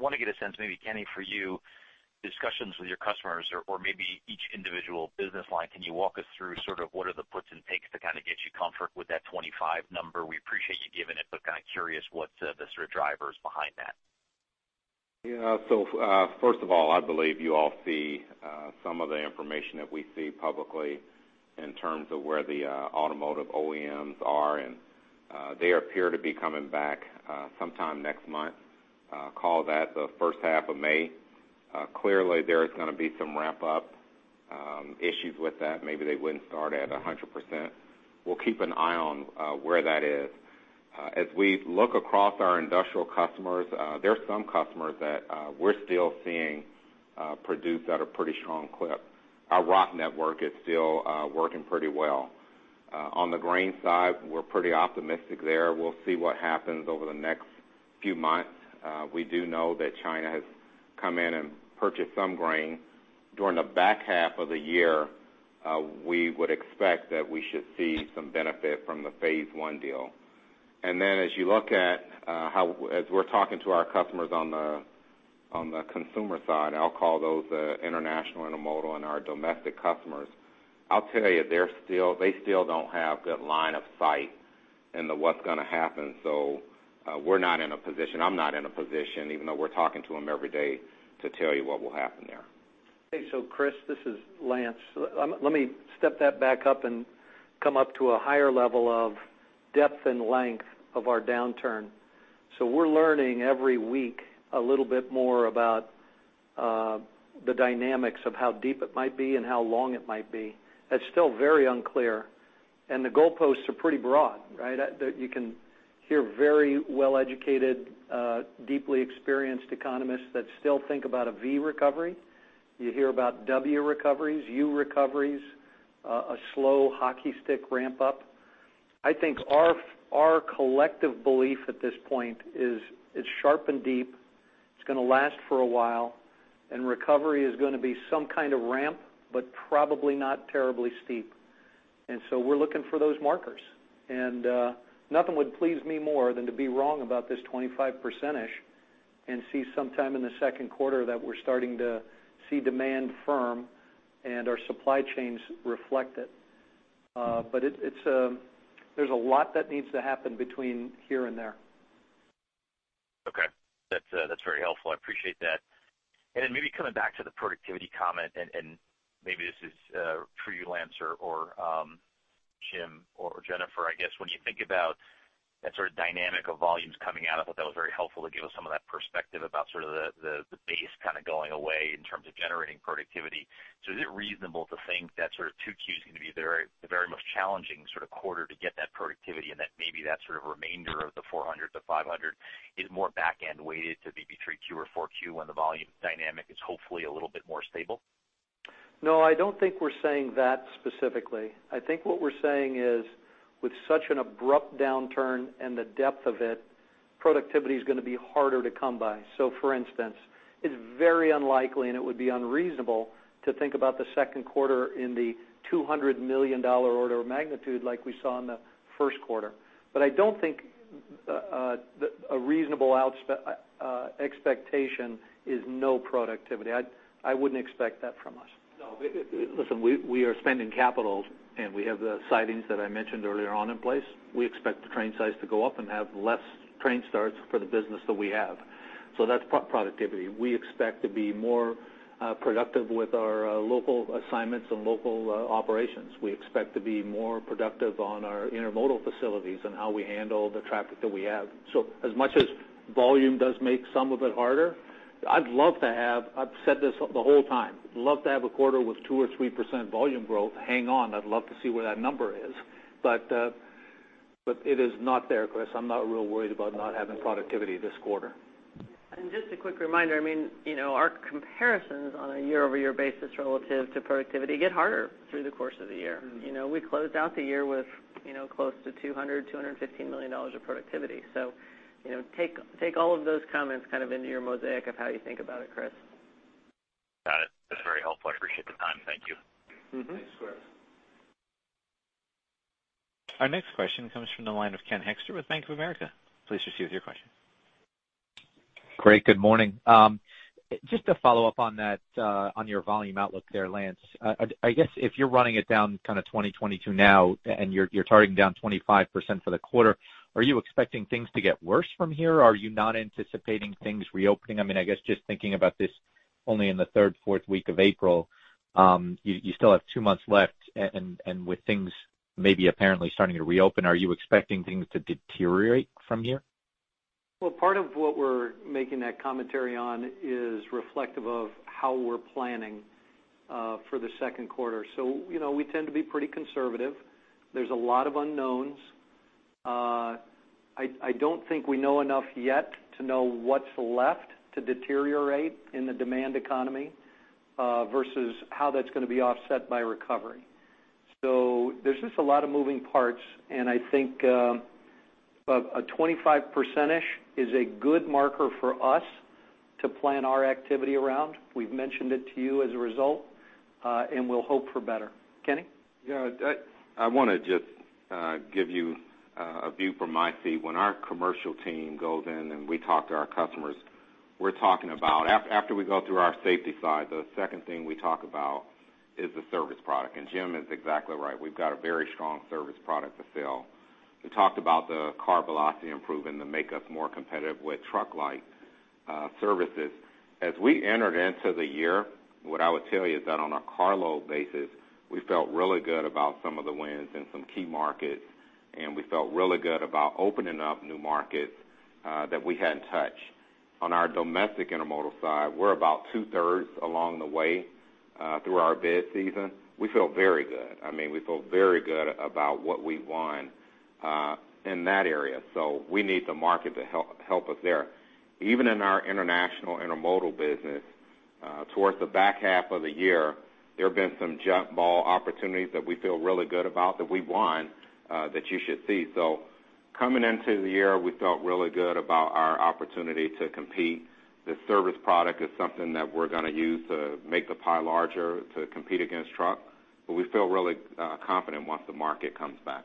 S9: want to get a sense, maybe Kenny, for you, discussions with your customers or maybe each individual business line, can you walk us through sort of what are the puts and takes to kind of get you comfort with that 25 number? We appreciate you giving it, but kind of curious what the sort of driver is behind that.
S4: Yeah. First of all, I believe you all see some of the information that we see publicly in terms of where the automotive OEMs are, and they appear to be coming back sometime next month. Call that the first half of May. Clearly, there's going to be some ramp-up issues with that. Maybe they wouldn't start at 100%. We'll keep an eye on where that is. As we look across our industrial customers, there's some customers that we're still seeing produce at a pretty strong clip. Our rock network is still working pretty well. On the grain side, we're pretty optimistic there. We'll see what happens over the next few months. We do know that China has come in and purchased some grain. During the back half of the year, we would expect that we should see some benefit from the Phase One deal. As we're talking to our customers on the consumer side, I'll call those international intermodal and our domestic customers, I'll tell you, they still don't have good line of sight into what's going to happen. We're not in a position, I'm not in a position, even though we're talking to them every day, to tell you what will happen there.
S2: Okay. Chris, this is Lance. Let me step that back up and come up to a higher level of depth and length of our downturn. We're learning every week a little bit more about the dynamics of how deep it might be and how long it might be. That's still very unclear, and the goalposts are pretty broad, right? You can hear very well-educated, deeply experienced economists that still think about a V recovery. You hear about W recoveries, U recoveries, a slow hockey stick ramp up. I think our collective belief at this point is it's sharp and deep, it's going to last for a while, and recovery is going to be some kind of ramp, but probably not terribly steep. We're looking for those markers. Nothing would please me more than to be wrong about this 25%-ish and see sometime in the second quarter that we're starting to see demand firm and our supply chains reflect it. There's a lot that needs to happen between here and there.
S9: Okay. That's very helpful. I appreciate that. Maybe coming back to the productivity comment, and maybe this is for you, Lance, or Jim or Jennifer. I guess when you think about that sort of dynamic of volumes coming out, I thought that was very helpful to give us some of that perspective about the base kind of going away in terms of generating productivity. Is it reasonable to think that sort of 2Q is going to be the very most challenging sort of quarter to get that productivity and that maybe that sort of remainder of the 400 to 500 is more back-end weighted to maybe 3Q or 4Q when the volume dynamic is hopefully a little bit more stable?
S2: No, I don't think we're saying that specifically. I think what we're saying is with such an abrupt downturn and the depth of it, productivity is going to be harder to come by. For instance, it's very unlikely, and it would be unreasonable to think about the second quarter in the $200 million order of magnitude like we saw in the first quarter. I don't think a reasonable expectation is no productivity. I wouldn't expect that from us.
S3: No. Listen, we are spending capital, and we have the sidings that I mentioned earlier on in place. We expect the train size to go up and have less train starts for the business that we have. That's productivity. We expect to be more productive with our local assignments and local operations. We expect to be more productive on our intermodal facilities and how we handle the traffic that we have. As much as volume does make some of it harder, I've said this the whole time, love to have a quarter with 2% or 3% volume growth. Hang on. I'd love to see where that number is. It is not there, Chris. I'm not real worried about not having productivity this quarter.
S5: Just a quick reminder, our comparisons on a year-over-year basis relative to productivity get harder through the course of the year. We closed out the year with close to $200 million, $215 million of productivity. Take all of those comments kind of into your mosaic of how you think about it, Chris.
S9: Got it. That's very helpful. I appreciate the time. Thank you.
S3: Thanks, Chris.
S1: Our next question comes from the line of Ken Hoexter with Bank of America. Please proceed with your question.
S10: Great. Good morning. Just to follow up on your volume outlook there, Lance. I guess if you're running it down kind of 20%-22% now and you're targeting down 25% for the quarter, are you expecting things to get worse from here? Are you not anticipating things reopening? I guess just thinking about this only in the third, fourth week of April, you still have two months left, With things maybe apparently starting to reopen, are you expecting things to deteriorate from here?
S2: Part of what we're making that commentary on is reflective of how we're planning for the second quarter. We tend to be pretty conservative. There's a lot of unknowns. I don't think we know enough yet to know what's left to deteriorate in the demand economy versus how that's going to be offset by recovery. There's just a lot of moving parts, and I think a 25%-ish is a good marker for us to plan our activity around. We've mentioned it to you as a result, and we'll hope for better. Kenny?
S4: Yeah, I want to just give you a view from my seat. When our commercial team goes in and we talk to our customers, after we go through our safety side, the second thing we talk about is the service product. Jim is exactly right. We've got a very strong service product to sell. We talked about the car velocity improving to make us more competitive with truck-like services. As we entered into the year, what I would tell you is that on a carload basis, we felt really good about some of the wins in some key markets, and we felt really good about opening up new markets that we hadn't touched. On our domestic intermodal side, we're about 2/3 along the way through our bid season. We feel very good. We feel very good about what we won in that area. We need the market to help us there. Even in our international intermodal business, towards the back half of the year, there have been some jump ball opportunities that we feel really good about that we won, that you should see. Coming into the year, we felt really good about our opportunity to compete. The service product is something that we're going to use to make the pie larger to compete against truck, but we feel really confident once the market comes back.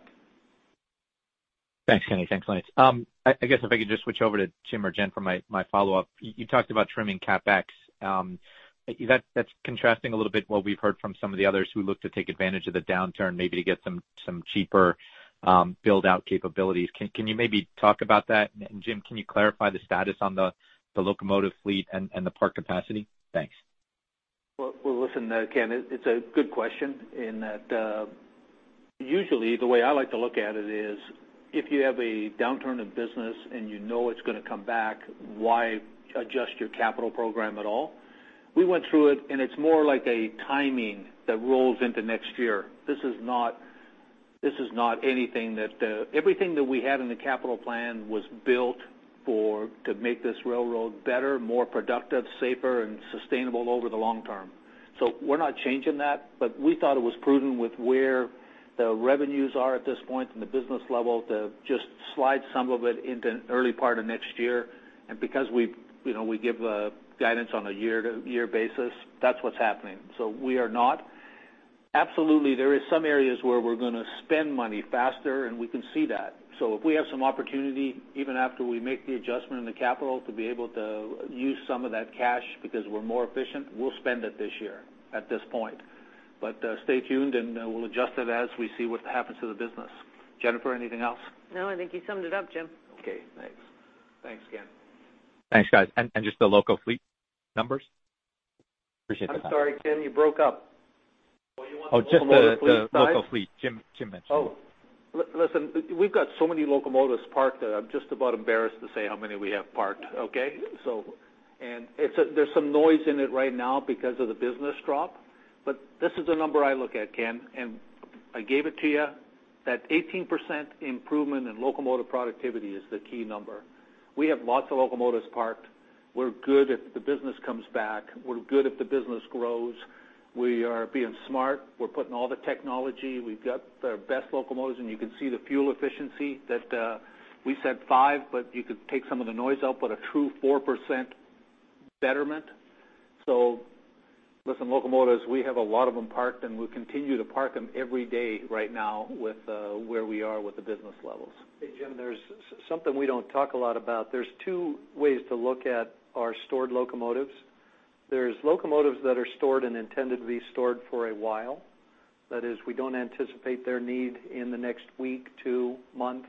S10: Thanks, Kenny. Thanks, Lance. I guess if I could just switch over to Jim or Jen for my follow-up. You talked about trimming CapEx. That's contrasting a little bit what we've heard from some of the others who look to take advantage of the downturn maybe to get some cheaper build-out capabilities. Can you maybe talk about that? Jim, can you clarify the status on the locomotive fleet and the park capacity? Thanks.
S3: Well, listen, Ken, it's a good question in that usually the way I like to look at it is if you have a downturn in business and you know it's going to come back, why adjust your capital program at all? We went through it, and it's more like a timing that rolls into next year. Everything that we had in the capital plan was built to make this railroad better, more productive, safer, and sustainable over the long term. We're not changing that, but we thought it was prudent with where the revenues are at this point in the business level to just slide some of it into early part of next year. Because we give guidance on a year-to-year basis, that's what's happening. Absolutely, there is some areas where we're going to spend money faster, and we can see that. If we have some opportunity, even after we make the adjustment in the capital, to be able to use some of that cash because we're more efficient, we'll spend it this year at this point. Stay tuned, and we'll adjust it as we see what happens to the business. Jennifer, anything else?
S5: No, I think you summed it up, Jim.
S10: Okay, thanks.
S3: Thanks, Ken.
S10: Thanks, guys. Just the loco fleet numbers? Appreciate the time.
S3: I'm sorry, Ken, you broke up.
S10: Oh, just the local fleet Jim mentioned.
S3: Listen, we've got so many locomotives parked that I'm just about embarrassed to say how many we have parked, okay? There's some noise in it right now because of the business drop. This is a number I look at, Ken, and I gave it to you, that 18% improvement in locomotive productivity is the key number. We have lots of locomotives parked. We're good if the business comes back. We're good if the business grows. We are being smart. We're putting all the technology. We've got the best locomotives, and you can see the fuel efficiency that, we said 5%, but you could take some of the noise out, but a true 4% betterment. Listen, locomotives, we have a lot of them parked, and we continue to park them every day right now with where we are with the business levels.
S2: Hey, Jim, there's something we don't talk a lot about. There's two ways to look at our stored locomotives. There's locomotives that are stored and intended to be stored for a while. That is, we don't anticipate their need in the next week, two, month.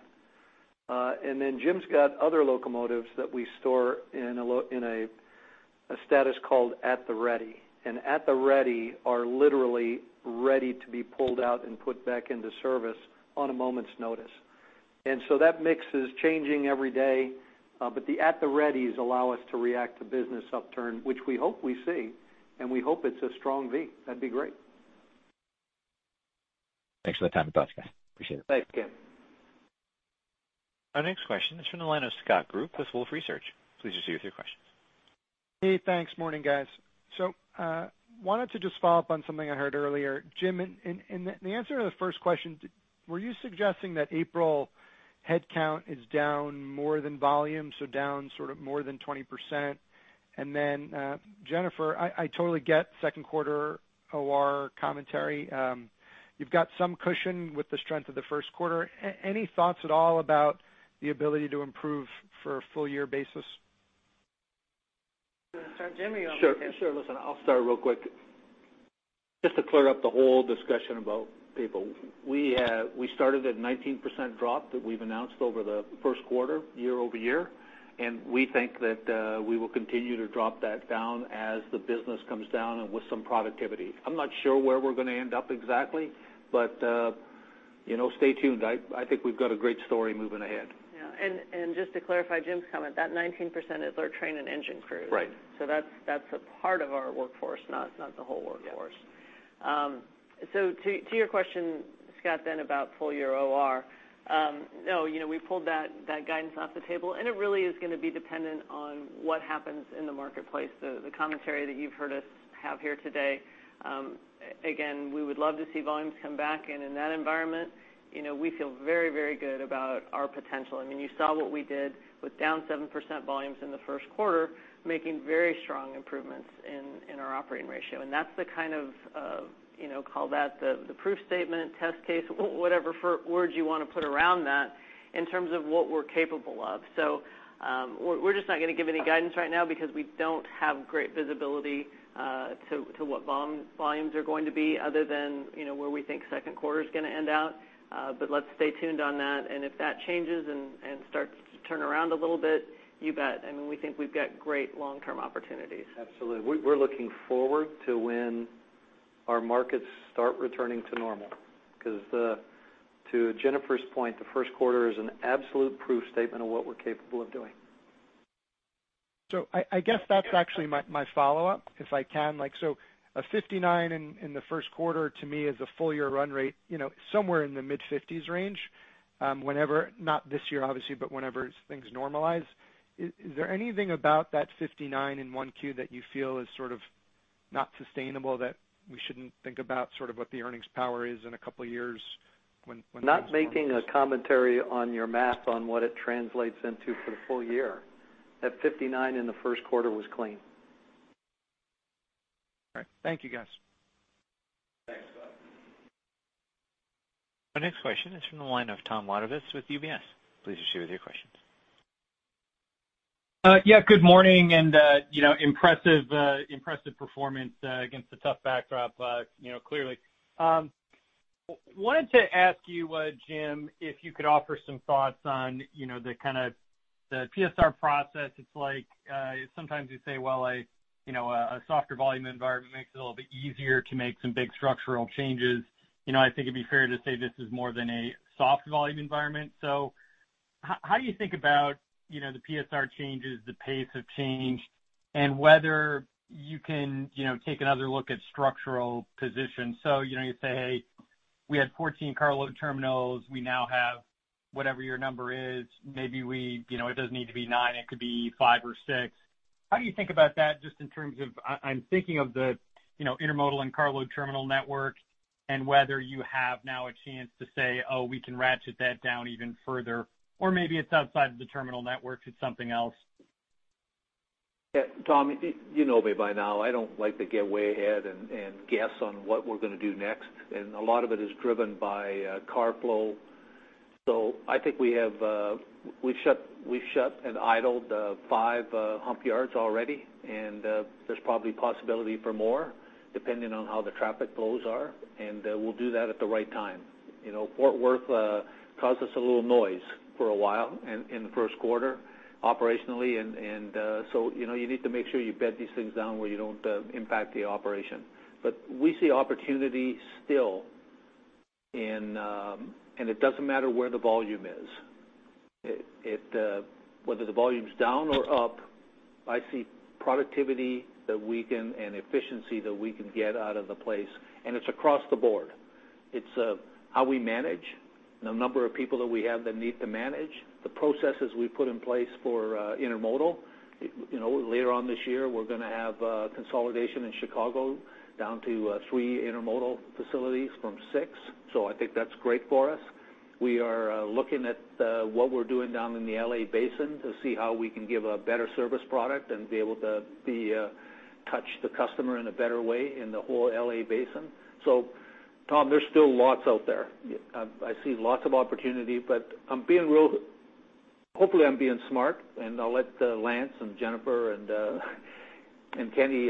S2: Jim's got other locomotives that we store in a status called at the ready. At the ready are literally ready to be pulled out and put back into service on a moment's notice. That mix is changing every day. The at the readies allow us to react to business upturn, which we hope we see, and we hope it's a strong V. That'd be great.
S10: Thanks for the time and thoughts, guys. Appreciate it.
S2: Thanks, Ken.
S1: Our next question is from the line of Scott Group with Wolfe Research. Please proceed with your question.
S11: Hey, thanks. Morning, guys. Wanted to just follow up on something I heard earlier. Jim, in the answer to the first question, were you suggesting that April headcount is down more than volume, so down more than 20%? Jennifer, I totally get second quarter OR commentary. You've got some cushion with the strength of the first quarter. Any thoughts at all about the ability to improve for a full year basis?
S3: Sure. Listen, I'll start real quick. Just to clear up the whole discussion about people. We started at 19% drop that we've announced over the first quarter, year-over-year, and we think that we will continue to drop that down as the business comes down and with some productivity. I'm not sure where we're going to end up exactly, but stay tuned. I think we've got a great story moving ahead.
S5: Yeah. Just to clarify Jim's comment, that 19% is our train and engine crews.
S3: Right.
S5: That's a part of our workforce, not the whole workforce. To your question, Scott, then about full year OR, we pulled that guidance off the table, and it really is going to be dependent on what happens in the marketplace, the commentary that you've heard us have here today. Again, we would love to see volumes come back, and in that environment, we feel very good about our potential. You saw what we did with down 7% volumes in the first quarter, making very strong improvements in our operating ratio. That's the kind of, call that the proof statement, test case, whatever words you want to put around that in terms of what we're capable of. We're just not going to give any guidance right now because we don't have great visibility to what volumes are going to be other than where we think second quarter's going to end out. Let's stay tuned on that, and if that changes and starts to turn around a little bit, you bet. We think we've got great long-term opportunities.
S3: Absolutely. We're looking forward to when our markets start returning to normal because, to Jennifer's point, the first quarter is an absolute proof statement of what we're capable of doing.
S11: I guess that's actually my follow-up, if I can. A 59 in the first quarter to me is a full year run rate, somewhere in the mid-50s range, not this year, obviously, but whenever things normalize. Is there anything about that 59 in one Q that you feel is not sustainable, that we shouldn't think about what the earnings power is in a couple of years when things normalize?
S2: Not making a commentary on your math on what it translates into for the full year. That 59% in the first quarter was clean.
S11: All right. Thank you, guys.
S2: Thanks, Scott.
S1: Our next question is from the line of Tom Wadewitz with UBS. Please proceed with your questions.
S12: Good morning, impressive performance against a tough backdrop clearly. Wanted to ask you, Jim, if you could offer some thoughts on the PSR process. It's like sometimes you say, well, a softer volume environment makes it a little bit easier to make some big structural changes. I think it'd be fair to say this is more than a soft volume environment. How do you think about the PSR changes, the pace of change, and whether you can take another look at structural positions? You say, hey, we had 14 cargo terminals, we now have whatever your number is. Maybe it doesn't need to be 9, it could be five or six. How do you think about that just in terms of, I'm thinking of the intermodal and cargo terminal network and whether you have now a chance to say, oh, we can ratchet that down even further, or maybe it's outside of the terminal network, it's something else?
S3: Tom, you know me by now. I don't like to get way ahead and guess on what we're going to do next. A lot of it is driven by car flow. I think we've shut and idled five hump yards already, and there's probably possibility for more depending on how the traffic flows are, and we'll do that at the right time. Fort Worth caused us a little noise for a while in the first quarter operationally. You need to make sure you bed these things down where you don't impact the operation. We see opportunity still, and it doesn't matter where the volume is. Whether the volume's down or up, I see productivity and efficiency that we can get out of the place, and it's across the board. It's how we manage, the number of people that we have that need to manage, the processes we put in place for intermodal. Later on this year, we're going to have consolidation in Chicago down to three intermodal facilities from six. I think that's great for us. We are looking at what we're doing down in the L.A. Basin to see how we can give a better service product and be able to touch the customer in a better way in the whole L.A. Basin. Tom, there's still lots out there. I see lots of opportunity, but hopefully, I'm being smart, and I'll let Lance and Jennifer and Kenny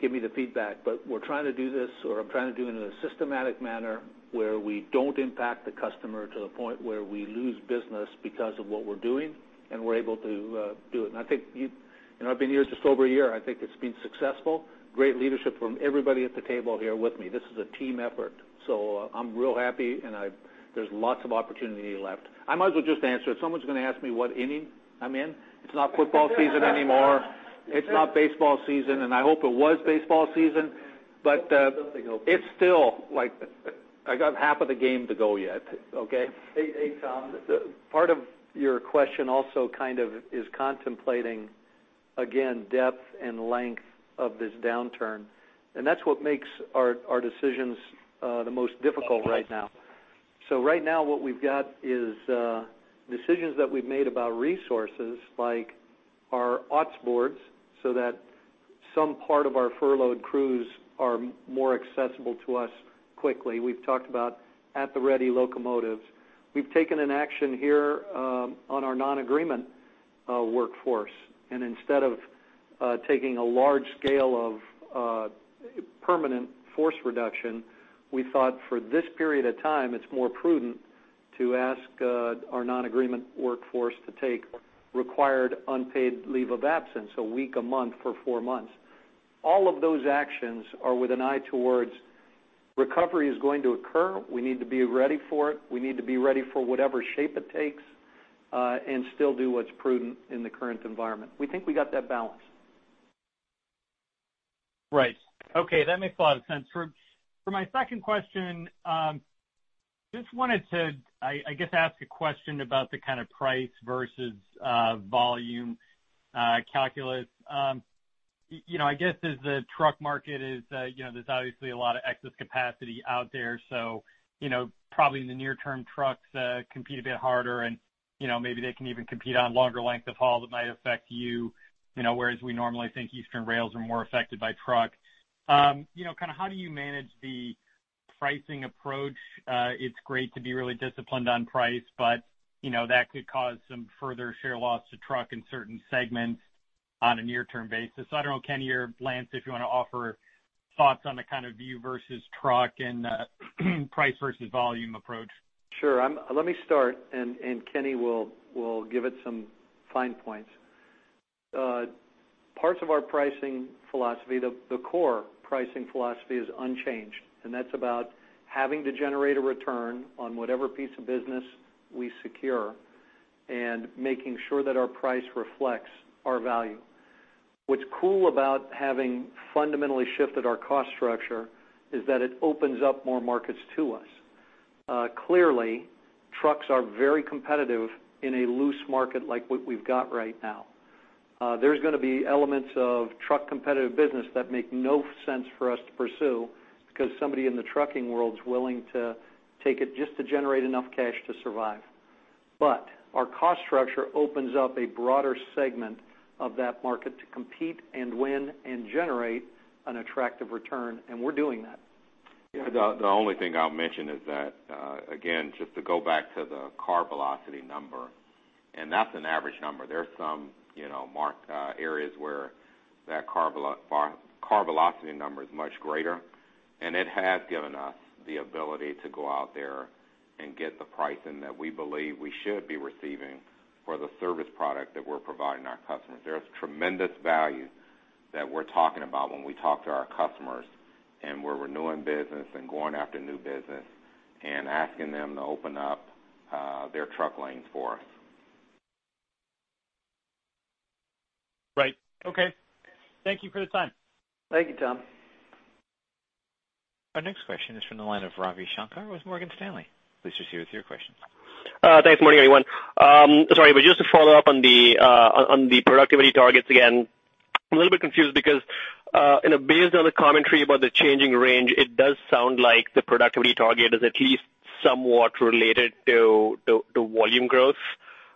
S3: give me the feedback. We're trying to do this, or I'm trying to do it in a systematic manner where we don't impact the customer to the point where we lose business because of what we're doing, and we're able to do it. I've been here just over a year, I think it's been successful. Great leadership from everybody at the table here with me. This is a team effort, so I'm real happy and there's lots of opportunity left. I might as well just answer it. Someone's going to ask me what inning I'm in. It's not football season anymore, it's not baseball season, and I hope it was baseball season, but it's still like I got half of the game to go yet.
S2: Hey, Tom. Part of your question also kind of is contemplating, again, depth and length of this downturn, and that's what makes our decisions the most difficult right now. Right now what we've got is decisions that we've made about resources like our OT boards, so that some part of our furloughed crews are more accessible to us quickly. We've talked about at-the-ready locomotives. We've taken an action here on our non-agreement workforce, and instead of taking a large scale of permanent force reduction, we thought for this period of time, it's more prudent to ask our non-agreement workforce to take required unpaid leave of absence, a week, a month for four months. All of those actions are with an eye towards recovery is going to occur. We need to be ready for it. We need to be ready for whatever shape it takes, and still do what's prudent in the current environment. We think we got that balance.
S12: Right. Okay, that makes a lot of sense. For my second question, just wanted to ask a question about the kind of price versus volume calculus. There's obviously a lot of excess capacity out there. Probably in the near term, trucks compete a bit harder and maybe they can even compete on longer length of haul that might affect you, whereas we normally think Eastern rails are more affected by truck. How do you manage the pricing approach? That could cause some further share loss to truck in certain segments on a near-term basis. I don't know, Kenny or Lance, if you want to offer thoughts on the kind of view versus truck and price versus volume approach.
S2: Sure. Let me start, and Kenny will give it some fine points. Parts of our pricing philosophy, the core pricing philosophy is unchanged, and that's about having to generate a return on whatever piece of business we secure and making sure that our price reflects our value. What's cool about having fundamentally shifted our cost structure is that it opens up more markets to us. Clearly, trucks are very competitive in a loose market like what we've got right now. There's going to be elements of truck competitive business that make no sense for us to pursue because somebody in the trucking world's willing to take it just to generate enough cash to survive. Our cost structure opens up a broader segment of that market to compete and win and generate an attractive return, and we're doing that.
S4: The only thing I'll mention is that, again, just to go back to the car velocity number, and that's an average number. There's some areas where that car velocity number is much greater, and it has given us the ability to go out there and get the pricing that we believe we should be receiving for the service product that we're providing our customers. There's tremendous value that we're talking about when we talk to our customers, and we're renewing business and going after new business and asking them to open up their truck lanes for us.
S12: Right. Okay. Thank you for the time.
S2: Thank you, Tom.
S1: Our next question is from the line of Ravi Shanker with Morgan Stanley. Please proceed with your question.
S13: Thanks. Morning, everyone. Sorry, just to follow up on the productivity targets again, I'm a little bit confused because based on the commentary about the changing range, it does sound like the productivity target is at least somewhat related to volume growth.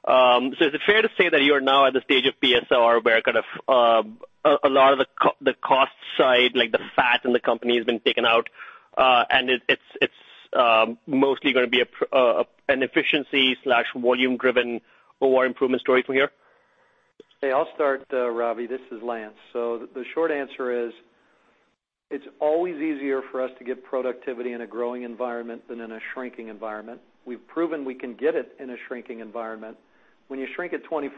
S13: Is it fair to say that you are now at the stage of PSR where kind of a lot of the cost side, like the fat in the company, has been taken out, and it's mostly going to be an efficiency/volume driven OR improvement story from here?
S2: Hey, I'll start, Ravi. This is Lance. The short answer is, it's always easier for us to get productivity in a growing environment than in a shrinking environment. We've proven we can get it in a shrinking environment. When you shrink it 25%,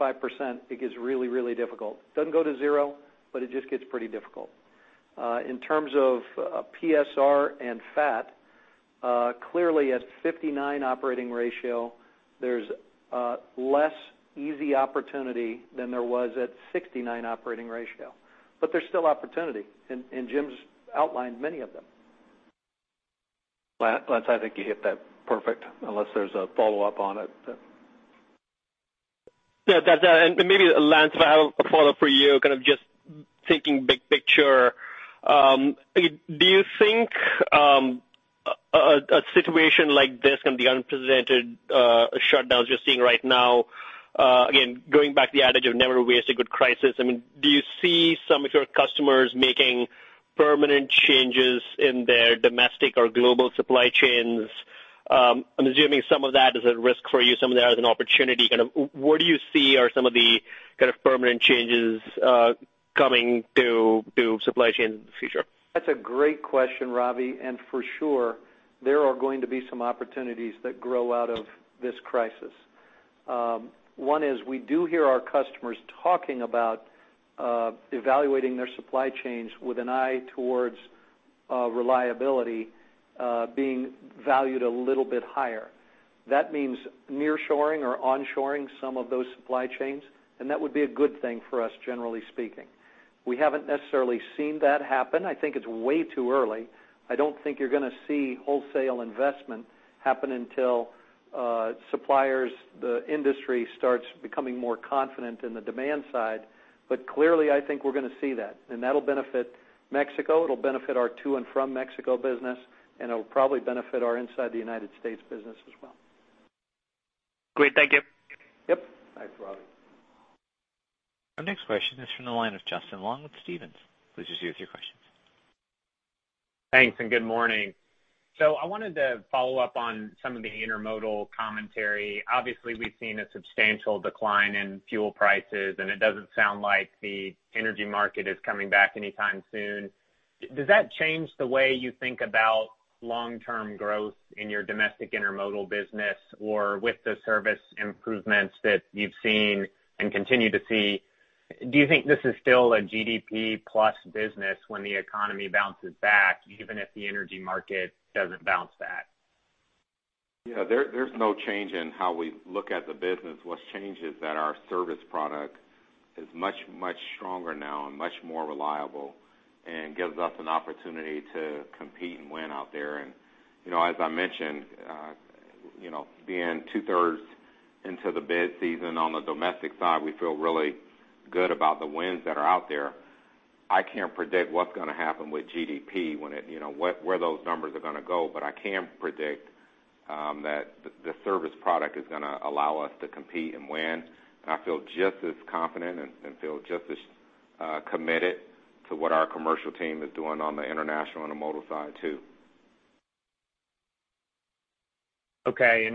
S2: it gets really, really difficult. It doesn't go to zero, but it just gets pretty difficult. In terms of PSR and fat, clearly at 59 operating ratio, there's less easy opportunity than there was at 69 operating ratio, but there's still opportunity, and Jim's outlined many of them.
S3: Lance, I think you hit that perfect, unless there's a follow-up on it.
S13: Yeah. Maybe, Lance, I have a follow-up for you, just taking big picture. Do you think a situation like this, with the unprecedented shutdowns we're seeing right now, again, going back to the adage of never waste a good crisis, do you see some of your customers making permanent changes in their domestic or global supply chains? I'm assuming some of that is a risk for you, some of that is an opportunity. What do you see are some of the permanent changes coming to supply chain in the future?
S2: That's a great question, Ravi. For sure, there are going to be some opportunities that grow out of this crisis. One is we do hear our customers talking about evaluating their supply chains with an eye towards reliability being valued a little bit higher. That means near-shoring or on-shoring some of those supply chains. That would be a good thing for us, generally speaking. We haven't necessarily seen that happen. I think it's way too early. I don't think you're going to see wholesale investment happen until suppliers, the industry starts becoming more confident in the demand side. Clearly, I think we're going to see that, and that'll benefit Mexico, it'll benefit our to and from Mexico business, and it'll probably benefit our inside the United States business as well.
S13: Great. Thank you.
S2: Yep. Thanks, Ravi.
S1: Our next question is from the line of Justin Long with Stephens. Please proceed with your questions.
S14: Thanks, good morning. I wanted to follow up on some of the intermodal commentary. Obviously, we've seen a substantial decline in fuel prices, and it doesn't sound like the energy market is coming back anytime soon. Does that change the way you think about long-term growth in your domestic intermodal business? With the service improvements that you've seen and continue to see, do you think this is still a GDP plus business when the economy bounces back, even if the energy market doesn't bounce back?
S4: Yeah. There's no change in how we look at the business. What's changed is that our service product is much, much stronger now and much more reliable, and gives us an opportunity to compete and win out there. As I mentioned, being two-thirds into the bid season on the domestic side, we feel really good about the wins that are out there. I can't predict what's going to happen with GDP, where those numbers are going to go. I can predict that the service product is going to allow us to compete and win. I feel just as confident and feel just as committed to what our commercial team is doing on the international intermodal side, too.
S14: Okay.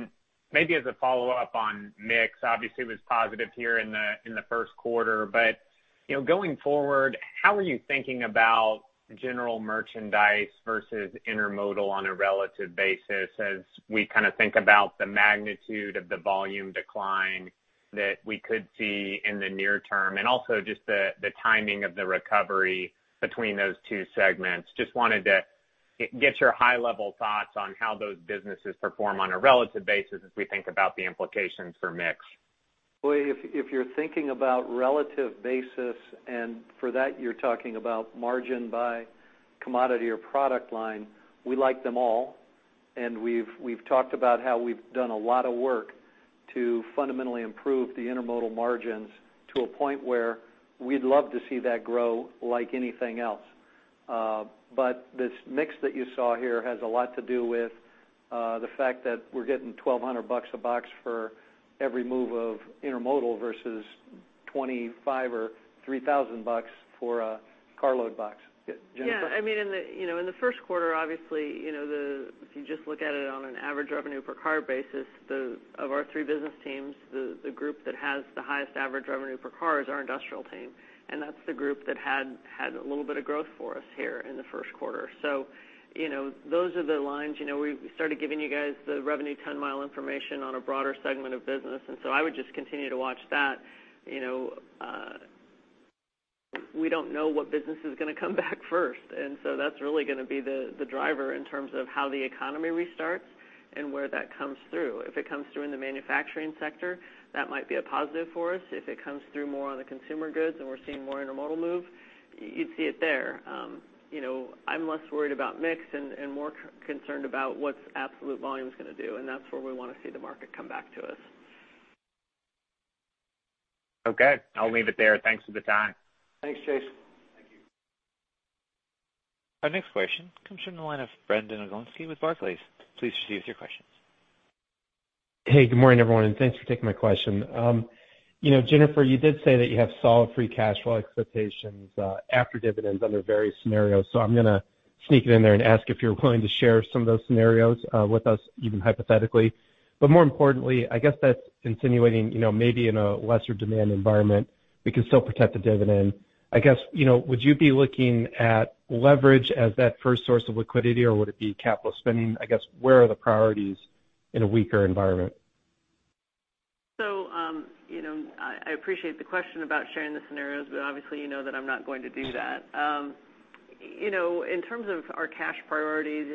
S14: Maybe as a follow-up on mix, obviously it was positive here in the first quarter. Going forward, how are you thinking about general merchandise versus intermodal on a relative basis as we think about the magnitude of the volume decline that we could see in the near term, and also just the timing of the recovery between those two segments? Just wanted to get your high-level thoughts on how those businesses perform on a relative basis as we think about the implications for mix.
S2: Well, if you're thinking about relative basis, for that, you're talking about margin by commodity or product line, we like them all. We've talked about how we've done a lot of work to fundamentally improve the intermodal margins to a point where we'd love to see that grow like anything else. This mix that you saw here has a lot to do with the fact that we're getting $1,200 a box for every move of intermodal versus $2,500 or $3,000 for a carload box. Jennifer?
S5: Yeah. In the first quarter, obviously, if you just look at it on an average revenue per car basis, of our three business teams, the group that has the highest average revenue per car is our industrial team, and that's the group that had a little bit of growth for us here in the first quarter. Those are the lines. We started giving you guys the revenue ton-mile information on a broader segment of business. I would just continue to watch that. We don't know what business is going to come back first, and so that's really going to be the driver in terms of how the economy restarts and where that comes through. If it comes through in the manufacturing sector, that might be a positive for us. If it comes through more on the consumer goods and we're seeing more intermodal move, you'd see it there. I'm less worried about mix and more concerned about what absolute volume is going to do, and that's where we want to see the market come back to us.
S14: Okay. I'll leave it there. Thanks for the time.
S2: Thanks, Justin.
S4: Thank you.
S1: Our next question comes from the line of Brandon Oglenski with Barclays. Please proceed with your questions.
S15: Hey, good morning, everyone, and thanks for taking my question. Jennifer, you did say that you have solid free cash flow expectations after dividends under various scenarios sneak it in there and ask if you're willing to share some of those scenarios with us, even hypothetically. More importantly, I guess that's insinuating maybe in a lesser demand environment, we can still protect the dividend. I guess, would you be looking at leverage as that first source of liquidity, or would it be capital spending? I guess, where are the priorities in a weaker environment?
S5: I appreciate the question about sharing the scenarios, but obviously you know that I'm not going to do that. In terms of our cash priorities,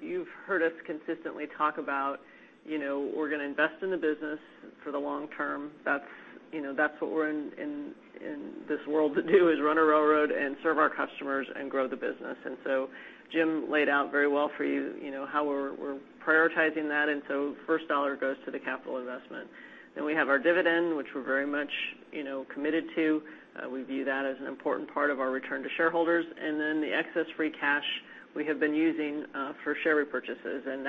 S5: you've heard us consistently talk about we're going to invest in the business for the long term. That's what we're in this world to do, is run a railroad and serve our customers and grow the business. Jim laid out very well for you how we're prioritizing that. The first dollar goes to the capital investment. We have our dividend, which we're very much committed to. We view that as an important part of our return to shareholders. The excess free cash we have been using for share repurchases, and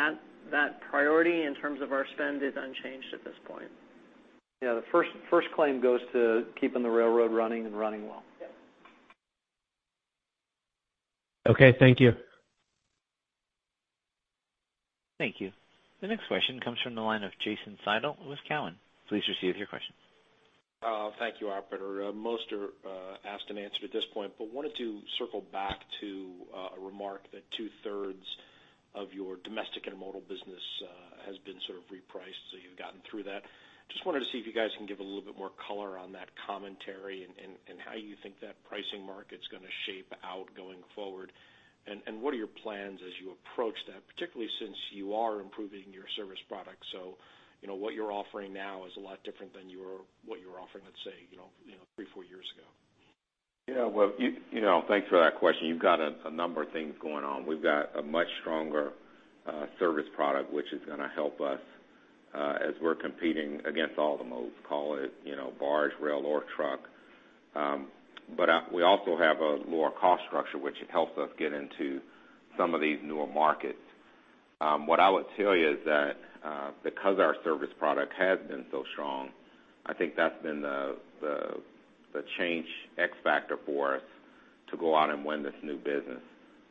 S5: that priority in terms of our spend is unchanged at this point.
S3: Yeah, the first claim goes to keeping the railroad running and running well.
S5: Yes.
S15: Okay, thank you.
S1: Thank you. The next question comes from the line of Jason Seidl with Cowen. Please proceed with your question.
S16: Thank you, operator. Most are asked and answered at this point, but wanted to circle back to a remark that two-thirds of your domestic intermodal business has been sort of repriced, so you've gotten through that. Just wanted to see if you guys can give a little bit more color on that commentary and how you think that pricing market's going to shape out going forward. What are your plans as you approach that, particularly since you are improving your service product. What you're offering now is a lot different than what you were offering, let's say, three, four years ago.
S4: Yeah. Well, thanks for that question. You've got a number of things going on. We've got a much stronger service product, which is going to help us as we're competing against all the modes, call it barge, rail or truck. We also have a lower cost structure, which helps us get into some of these newer markets. What I would tell you is that because our service product has been so strong, I think that's been the change X factor for us to go out and win this new business.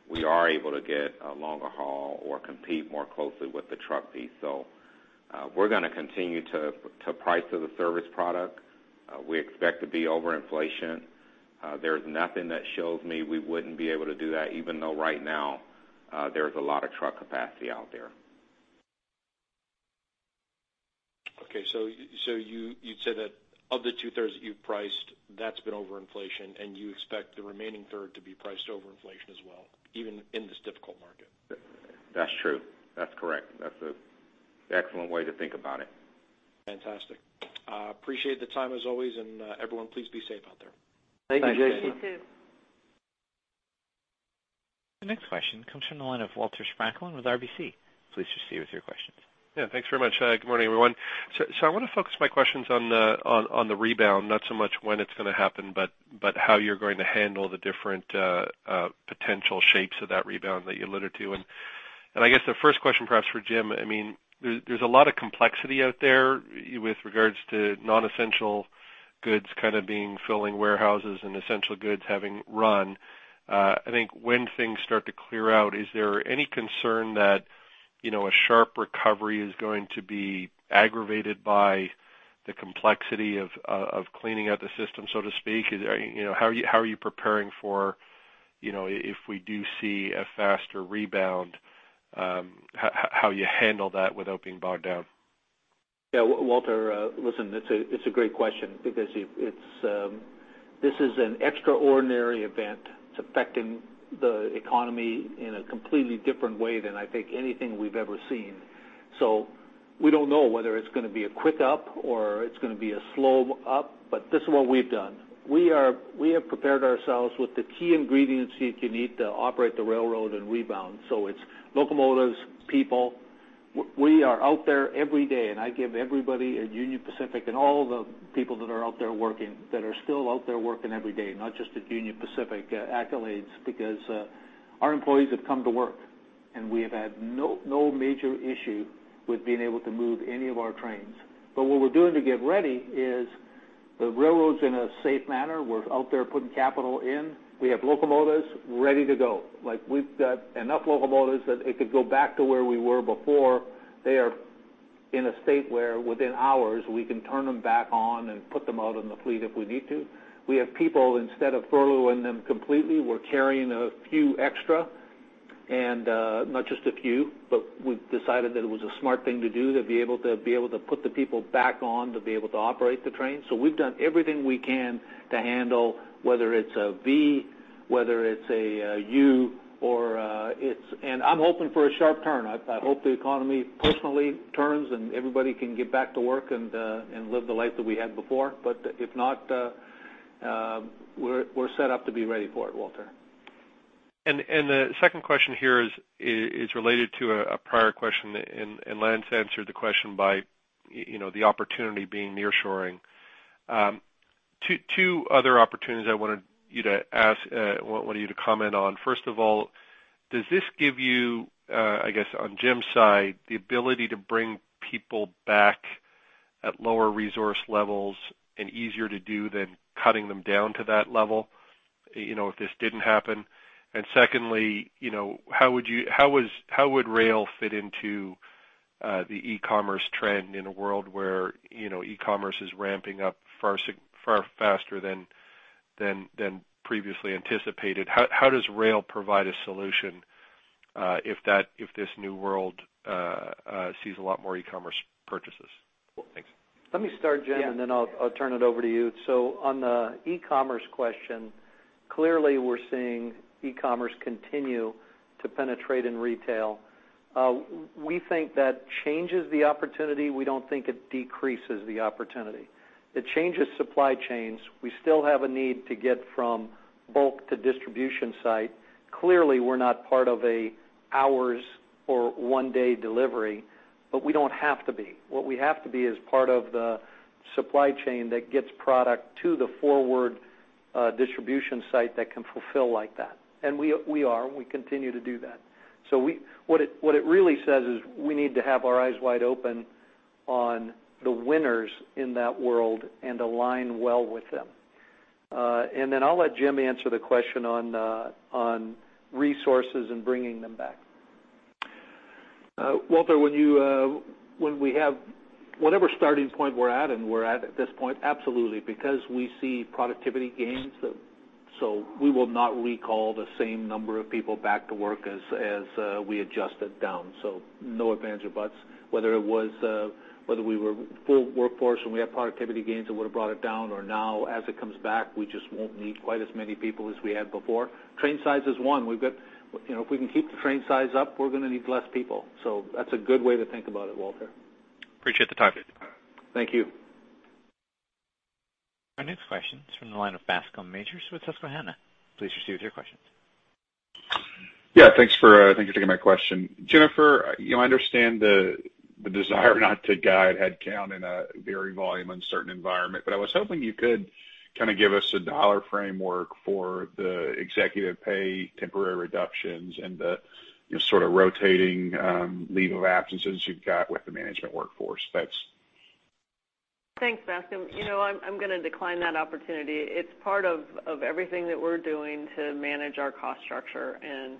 S4: We are able to get a longer haul or compete more closely with the truck piece. We're going to continue to price to the service product. We expect to be over inflation. There's nothing that shows me we wouldn't be able to do that, even though right now there's a lot of truck capacity out there.
S16: Okay. You'd say that of the two-thirds that you've priced, that's been over inflation and you expect the remaining third to be priced over inflation as well, even in this difficult market?
S4: That's true. That's correct. That's an excellent way to think about it.
S16: Fantastic. Appreciate the time as always. Everyone please be safe out there.
S4: Thank you, Jason.
S5: You too.
S1: The next question comes from the line of Walter Spracklin with RBC. Please proceed with your questions.
S17: Yeah, thanks very much. Good morning, everyone. I want to focus my questions on the rebound, not so much when it's going to happen, but how you're going to handle the different potential shapes of that rebound that you alluded to. I guess the first question, perhaps for Jim, there's a lot of complexity out there with regards to non-essential goods kind of filling warehouses and essential goods having run. I think when things start to clear out, is there any concern that a sharp recovery is going to be aggravated by the complexity of cleaning out the system, so to speak? How are you preparing for if we do see a faster rebound, how you handle that without being bogged down?
S3: Yeah. Walter, listen, it's a great question because this is an extraordinary event. It's affecting the economy in a completely different way than I think anything we've ever seen. We don't know whether it's going to be a quick up or it's going to be a slow up, but this is what we've done. We have prepared ourselves with the key ingredients you need to operate the railroad and rebound. It's locomotives, people. We are out there every day, and I give everybody at Union Pacific and all the people that are out there working, that are still out there working every day, not just at Union Pacific, accolades because our employees have come to work, and we have had no major issue with being able to move any of our trains. What we're doing to get ready is the railroads, in a safe manner, we're out there putting capital in. We have locomotives ready to go. We've got enough locomotives that it could go back to where we were before. They are in a state where within hours, we can turn them back on and put them out on the fleet if we need to. We have people, instead of furloughing them completely, we're carrying a few extra. Not just a few, we've decided that it was a smart thing to do to be able to put the people back on to be able to operate the train. We've done everything we can to handle, whether it's a V, whether it's a U. I'm hoping for a sharp turn. I hope the economy personally turns and everybody can get back to work and live the life that we had before. If not, we're set up to be ready for it, Walter.
S17: The second question here is related to a prior question, Lance answered the question by the opportunity being nearshoring. Two other opportunities I wanted you to comment on. First of all, does this give you, I guess on Jim's side, the ability to bring people back at lower resource levels and easier to do than cutting them down to that level, if this didn't happen? Secondly, how would rail fit into the e-commerce trend in a world where e-commerce is ramping up far faster than previously anticipated? How does rail provide a solution if this new world sees a lot more e-commerce purchases? Thanks.
S2: Let me start, Jim.
S3: Yeah.
S2: I'll turn it over to you. On the e-commerce question, clearly, we're seeing e-commerce continue to penetrate in retail. We think that changes the opportunity. We don't think it decreases the opportunity. It changes supply chains. We still have a need to get from bulk to distribution site. Clearly, we're not part of a hours or one-day delivery, but we don't have to be. What we have to be is part of the supply chain that gets product to the forward distribution site that can fulfill like that. We are, and we continue to do that. What it really says is we need to have our eyes wide open on the winners in that world and align well with them. Then I'll let Jim answer the question on resources and bringing them back.
S3: Walter, whatever starting point we're at, and we're at this point, absolutely, because we see productivity gains, so we will not recall the same number of people back to work as we adjusted down. No ifs, ands, or buts. Whether we were full workforce and we had productivity gains that would've brought it down, or now, as it comes back, we just won't need quite as many people as we had before. Train size is one. If we can keep the train size up, we're going to need less people. That's a good way to think about it, Walter.
S17: Appreciate the time.
S3: Thank you.
S1: Our next question is from the line of Bascome Majors with Susquehanna. Please proceed with your question.
S18: Yeah, thanks for taking my question. Jennifer, I understand the desire not to guide headcount in a very volume-uncertain environment, but I was hoping you could give us a dollar framework for the executive pay temporary reductions and the rotating leave of absences you've got with the management workforce. Thanks.
S5: Thanks, Bascome. I'm going to decline that opportunity. It's part of everything that we're doing to manage our cost structure and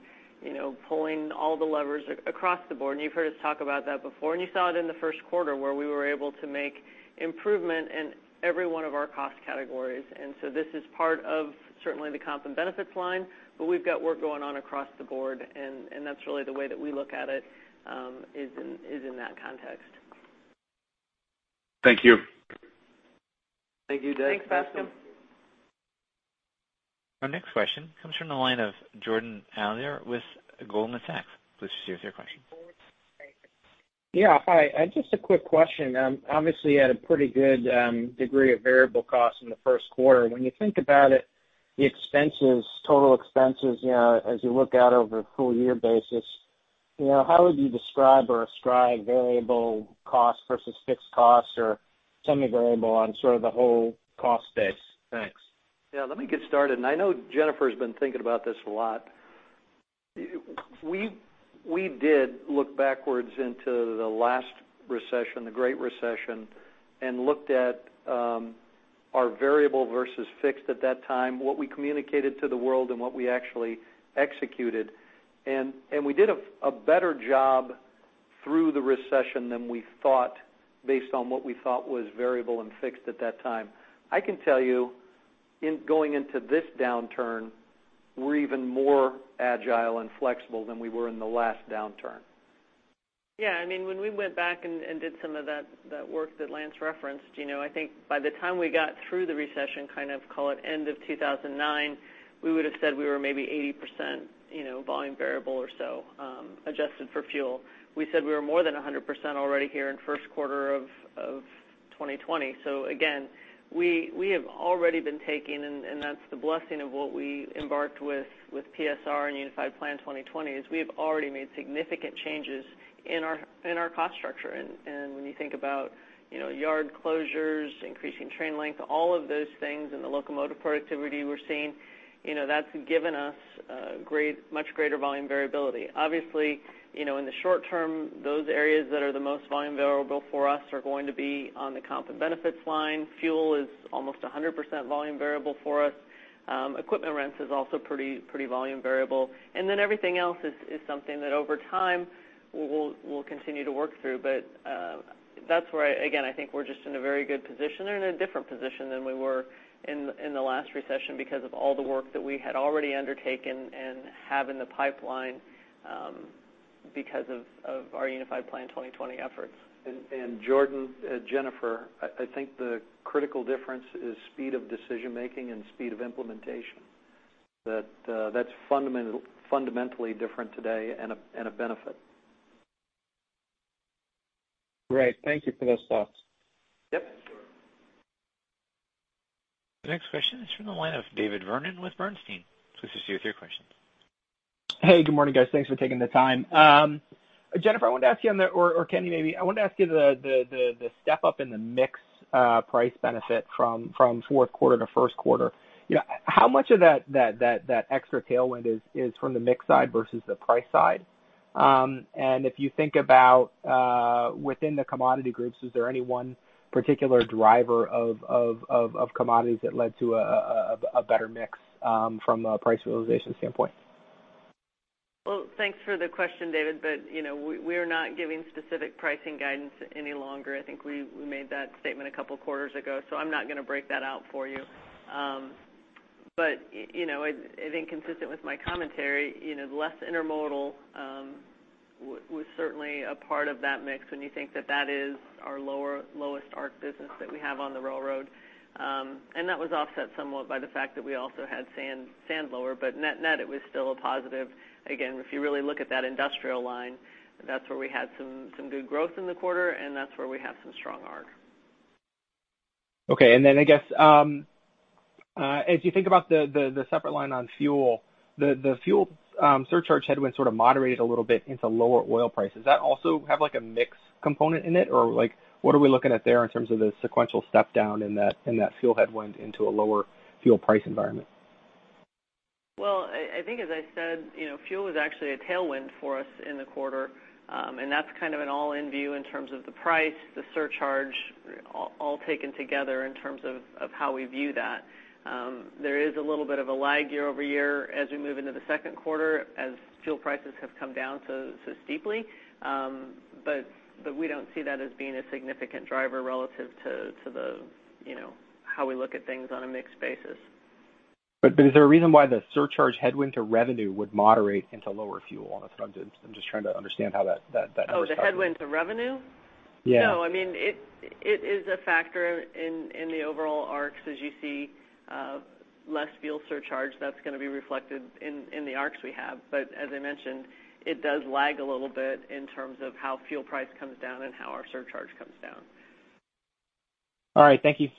S5: pulling all the levers across the board. You've heard us talk about that before, and you saw it in the first quarter where we were able to make improvement in every one of our cost categories. This is part of, certainly, the comp and benefits line, but we've got work going on across the board, and that's really the way that we look at it, is in that context.
S18: Thank you.
S2: Thank you, Bascome.
S5: Thanks, Bascome.
S1: Our next question comes from the line of Jordan Alliger with Goldman Sachs. Please proceed with your question.
S19: Yeah. Hi. Just a quick question. Obviously, you had a pretty good degree of variable cost in the first quarter. When you think about it, the total expenses, as you look out over a full year basis, how would you describe or ascribe variable cost versus fixed cost or semi-variable on the whole cost base? Thanks.
S2: Yeah, let me get started, and I know Jennifer's been thinking about this a lot. We did look backwards into the last recession, the Great Recession, and looked at our variable versus fixed at that time, what we communicated to the world and what we actually executed. We did a better job through the recession than we thought based on what we thought was variable and fixed at that time. I can tell you, going into this downturn, we're even more agile and flexible than we were in the last downturn.
S5: Yeah. When we went back and did some of that work that Lance referenced, I think by the time we got through the recession, call it end of 2009, we would've said we were maybe 80% volume variable or so, adjusted for fuel. We said we were more than 100% already here in first quarter of 2020. Again, we have already been taking, and that's the blessing of what we embarked with PSR and Unified Plan 2020, is we have already made significant changes in our cost structure. When you think about yard closures, increasing train length, all of those things, and the locomotive productivity we're seeing, that's given us much greater volume variability. Obviously, in the short term, those areas that are the most volume variable for us are going to be on the comp and benefits line. Fuel is almost 100% volume variable for us. Equipment rents is also pretty volume variable. Everything else is something that over time, we'll continue to work through. That's where, again, I think we're just in a very good position and in a different position than we were in the last recession because of all the work that we had already undertaken and have in the pipeline because of our Unified Plan 2020 efforts.
S2: Jordan, Jennifer, I think the critical difference is speed of decision-making and speed of implementation. That's fundamentally different today and a benefit.
S19: Great. Thank you for those thoughts.
S2: Yep.
S1: The next question is from the line of David Vernon with Bernstein. Please proceed with your question.
S20: Hey, good morning, guys. Thanks for taking the time. Jennifer, or Kenny maybe, I wanted to ask you the step-up in the mix price benefit from fourth quarter to first quarter. How much of that extra tailwind is from the mix side versus the price side? If you think about within the commodity groups, is there any one particular driver of commodities that led to a better mix from a price realization standpoint?
S5: Well, thanks for the question, David, we're not giving specific pricing guidance any longer. I think we made that statement a couple of quarters ago, I'm not going to break that out for you. I think consistent with my commentary, less intermodal was certainly a part of that mix when you think that that is our lowest ARC business that we have on the railroad. That was offset somewhat by the fact that we also had sand lower, net, it was still a positive. Again, if you really look at that industrial line, that's where we had some good growth in the quarter, that's where we have some strong ARC.
S20: Okay, I guess, as you think about the separate line on fuel, the fuel surcharge headwind sort of moderated a little bit into lower oil prices. Does that also have a mix component in it? What are we looking at there in terms of the sequential step down in that fuel headwind into a lower fuel price environment?
S5: Well, I think as I said, fuel was actually a tailwind for us in the quarter. That's kind of an all-in view in terms of the price, the surcharge, all taken together in terms of how we view that. There is a little bit of a lag year-over-year as we move into the second quarter as fuel prices have come down so steeply. We don't see that as being a significant driver relative to how we look at things on a mixed basis.
S20: Is there a reason why the surcharge headwind to revenue would moderate into lower fuel? That's what I'm-- Just trying to understand how that-
S5: Oh, the headwind to revenue?
S20: Yeah.
S5: No, it is a factor in the overall ARCs, as you see less fuel surcharge, that's going to be reflected in the ARCs we have. As I mentioned, it does lag a little bit in terms of how fuel price comes down and how our surcharge comes down.
S20: All right. Thank you.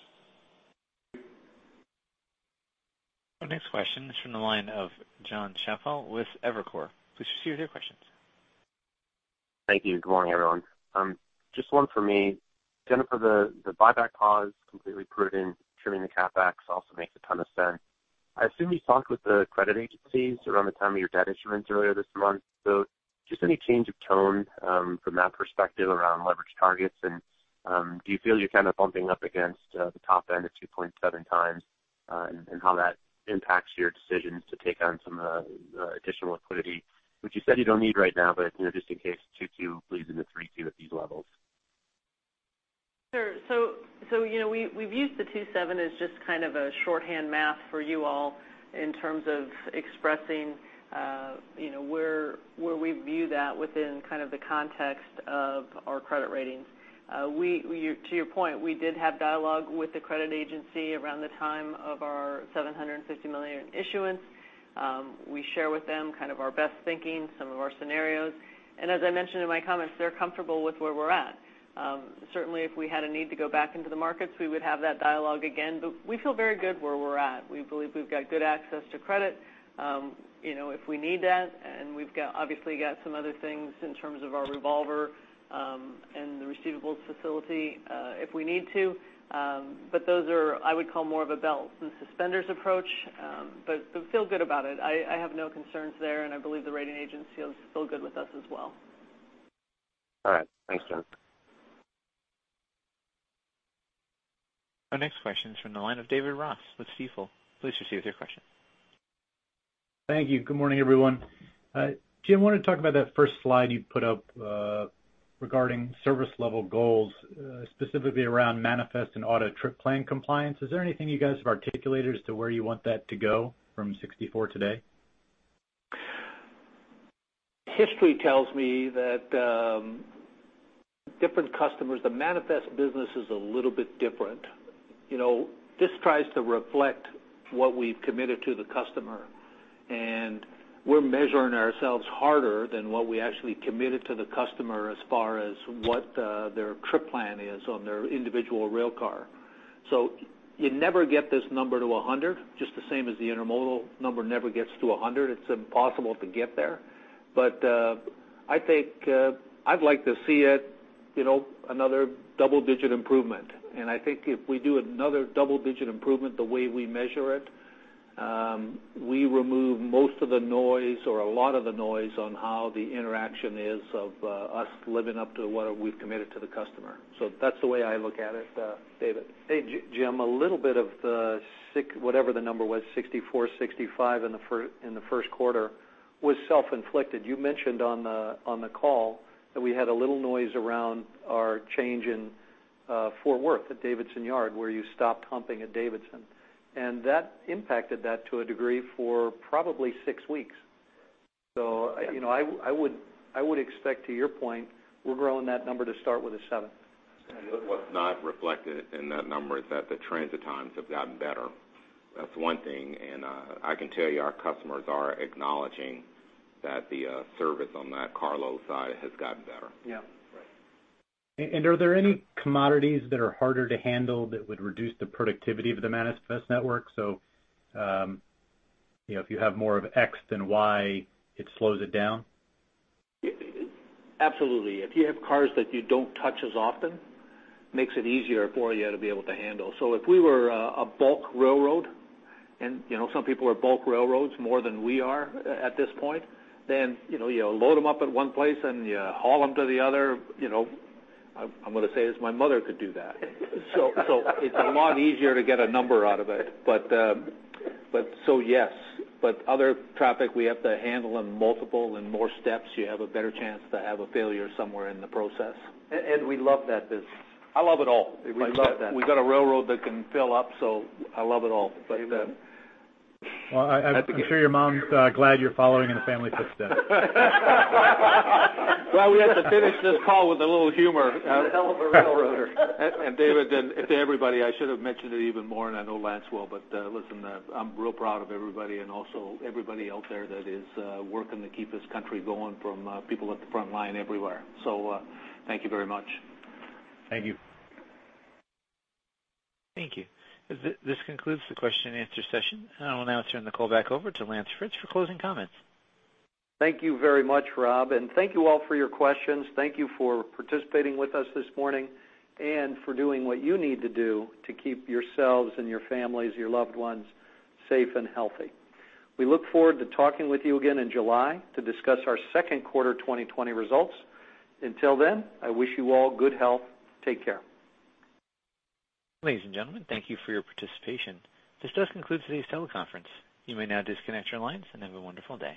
S1: Our next question is from the line of Jon Chappell with Evercore. Please proceed with your questions.
S21: Thank you. Good morning, everyone. Just one for me. Jennifer, the buyback pause, completely prudent. Trimming the CapEx also makes a ton of sense. I assume you talked with the credit agencies around the time of your debt issuance earlier this month. Just any change of tone from that perspective around leverage targets, and do you feel you're kind of bumping up against the top end of 2.7x, and how that impacts your decisions to take on some additional liquidity, which you said you don't need right now, but, just in case [2Q] bleeds into?
S5: Sure. We've used the 27 as just kind of a shorthand math for you all in terms of expressing where we view that within kind of the context of our credit ratings. To your point, we did have dialogue with the credit agency around the time of our $750 million issuance. We share with them kind of our best thinking, some of our scenarios. As I mentioned in my comments, they're comfortable with where we're at. Certainly, if we had a need to go back into the markets, we would have that dialogue again, but we feel very good where we're at. We believe we've got good access to credit if we need that, and we've obviously got some other things in terms of our revolver and the receivables facility if we need to. Those are, I would call more of a belts and suspenders approach. Feel good about it. I have no concerns there, and I believe the rating agency feels good with us as well.
S21: All right. Thanks, Jen.
S1: Our next question is from the line of David Ross with Stifel. Please proceed with your question.
S22: Thank you. Good morning, everyone. Jim, want to talk about that first slide you put up regarding service level goals, specifically around manifest and auto trip plan compliance. Is there anything you guys have articulated as to where you want that to go from 64 today?
S3: History tells me that different customers, the manifest business is a little bit different. This tries to reflect what we've committed to the customer, and we're measuring ourselves harder than what we actually committed to the customer as far as what their trip plan is on their individual rail car. You never get this number to 100, just the same as the intermodal number never gets to 100. It's impossible to get there. I think I'd like to see it another double-digit improvement. I think if we do another double-digit improvement the way we measure it, we remove most of the noise or a lot of the noise on how the interaction is of us living up to what we've committed to the customer. That's the way I look at it, David.
S2: Hey, Jim, a little bit of the, whatever the number was, 64, 65 in the first quarter was self-inflicted. You mentioned on the call that we had a little noise around our change in Fort Worth at Davidson Yard, where you stopped humping at Davidson. That impacted that to a degree for probably six weeks. I would expect to your point, we're growing that number to start with a seven.
S4: What's not reflected in that number is that the transit times have gotten better. That's one thing, and I can tell you our customers are acknowledging that the service on that carload side has gotten better.
S2: Yeah.
S22: Right. Are there any commodities that are harder to handle that would reduce the productivity of the manifest network? If you have more of X than Y, it slows it down?
S3: Absolutely. If you have cars that you don't touch as often, makes it easier for you to be able to handle. If we were a bulk railroad, and some people are bulk railroads more than we are at this point, then you load them up at one place and you haul them to the other. I'm going to say this, my mother could do that. It's a lot easier to get a number out of it, so yes. Other traffic, we have to handle in multiple and more steps, you have a better chance to have a failure somewhere in the process.
S2: We love that business.
S3: I love it all.
S2: We love that.
S3: We've got a railroad that can fill up, so I love it all.
S22: Well, I'm sure your mom's glad you're following in the family footsteps.
S3: Well, we have to finish this call with a little humor. David, and to everybody, I should have mentioned it even more, and I know Lance will, but listen, I'm real proud of everybody and also everybody out there that is working to keep this country going from people at the frontline everywhere. Thank you very much.
S22: Thank you.
S1: Thank you. This concludes the question-and-answer session. I will now turn the call back over to Lance Fritz for closing comments.
S2: Thank you very much, Rob, and thank you all for your questions. Thank you for participating with us this morning and for doing what you need to do to keep yourselves and your families, your loved ones, safe and healthy. We look forward to talking with you again in July to discuss our second quarter 2020 results. Until then, I wish you all good health. Take care.
S1: Ladies and gentlemen, thank you for your participation. This does conclude today's teleconference. You may now disconnect your lines, and have a wonderful day.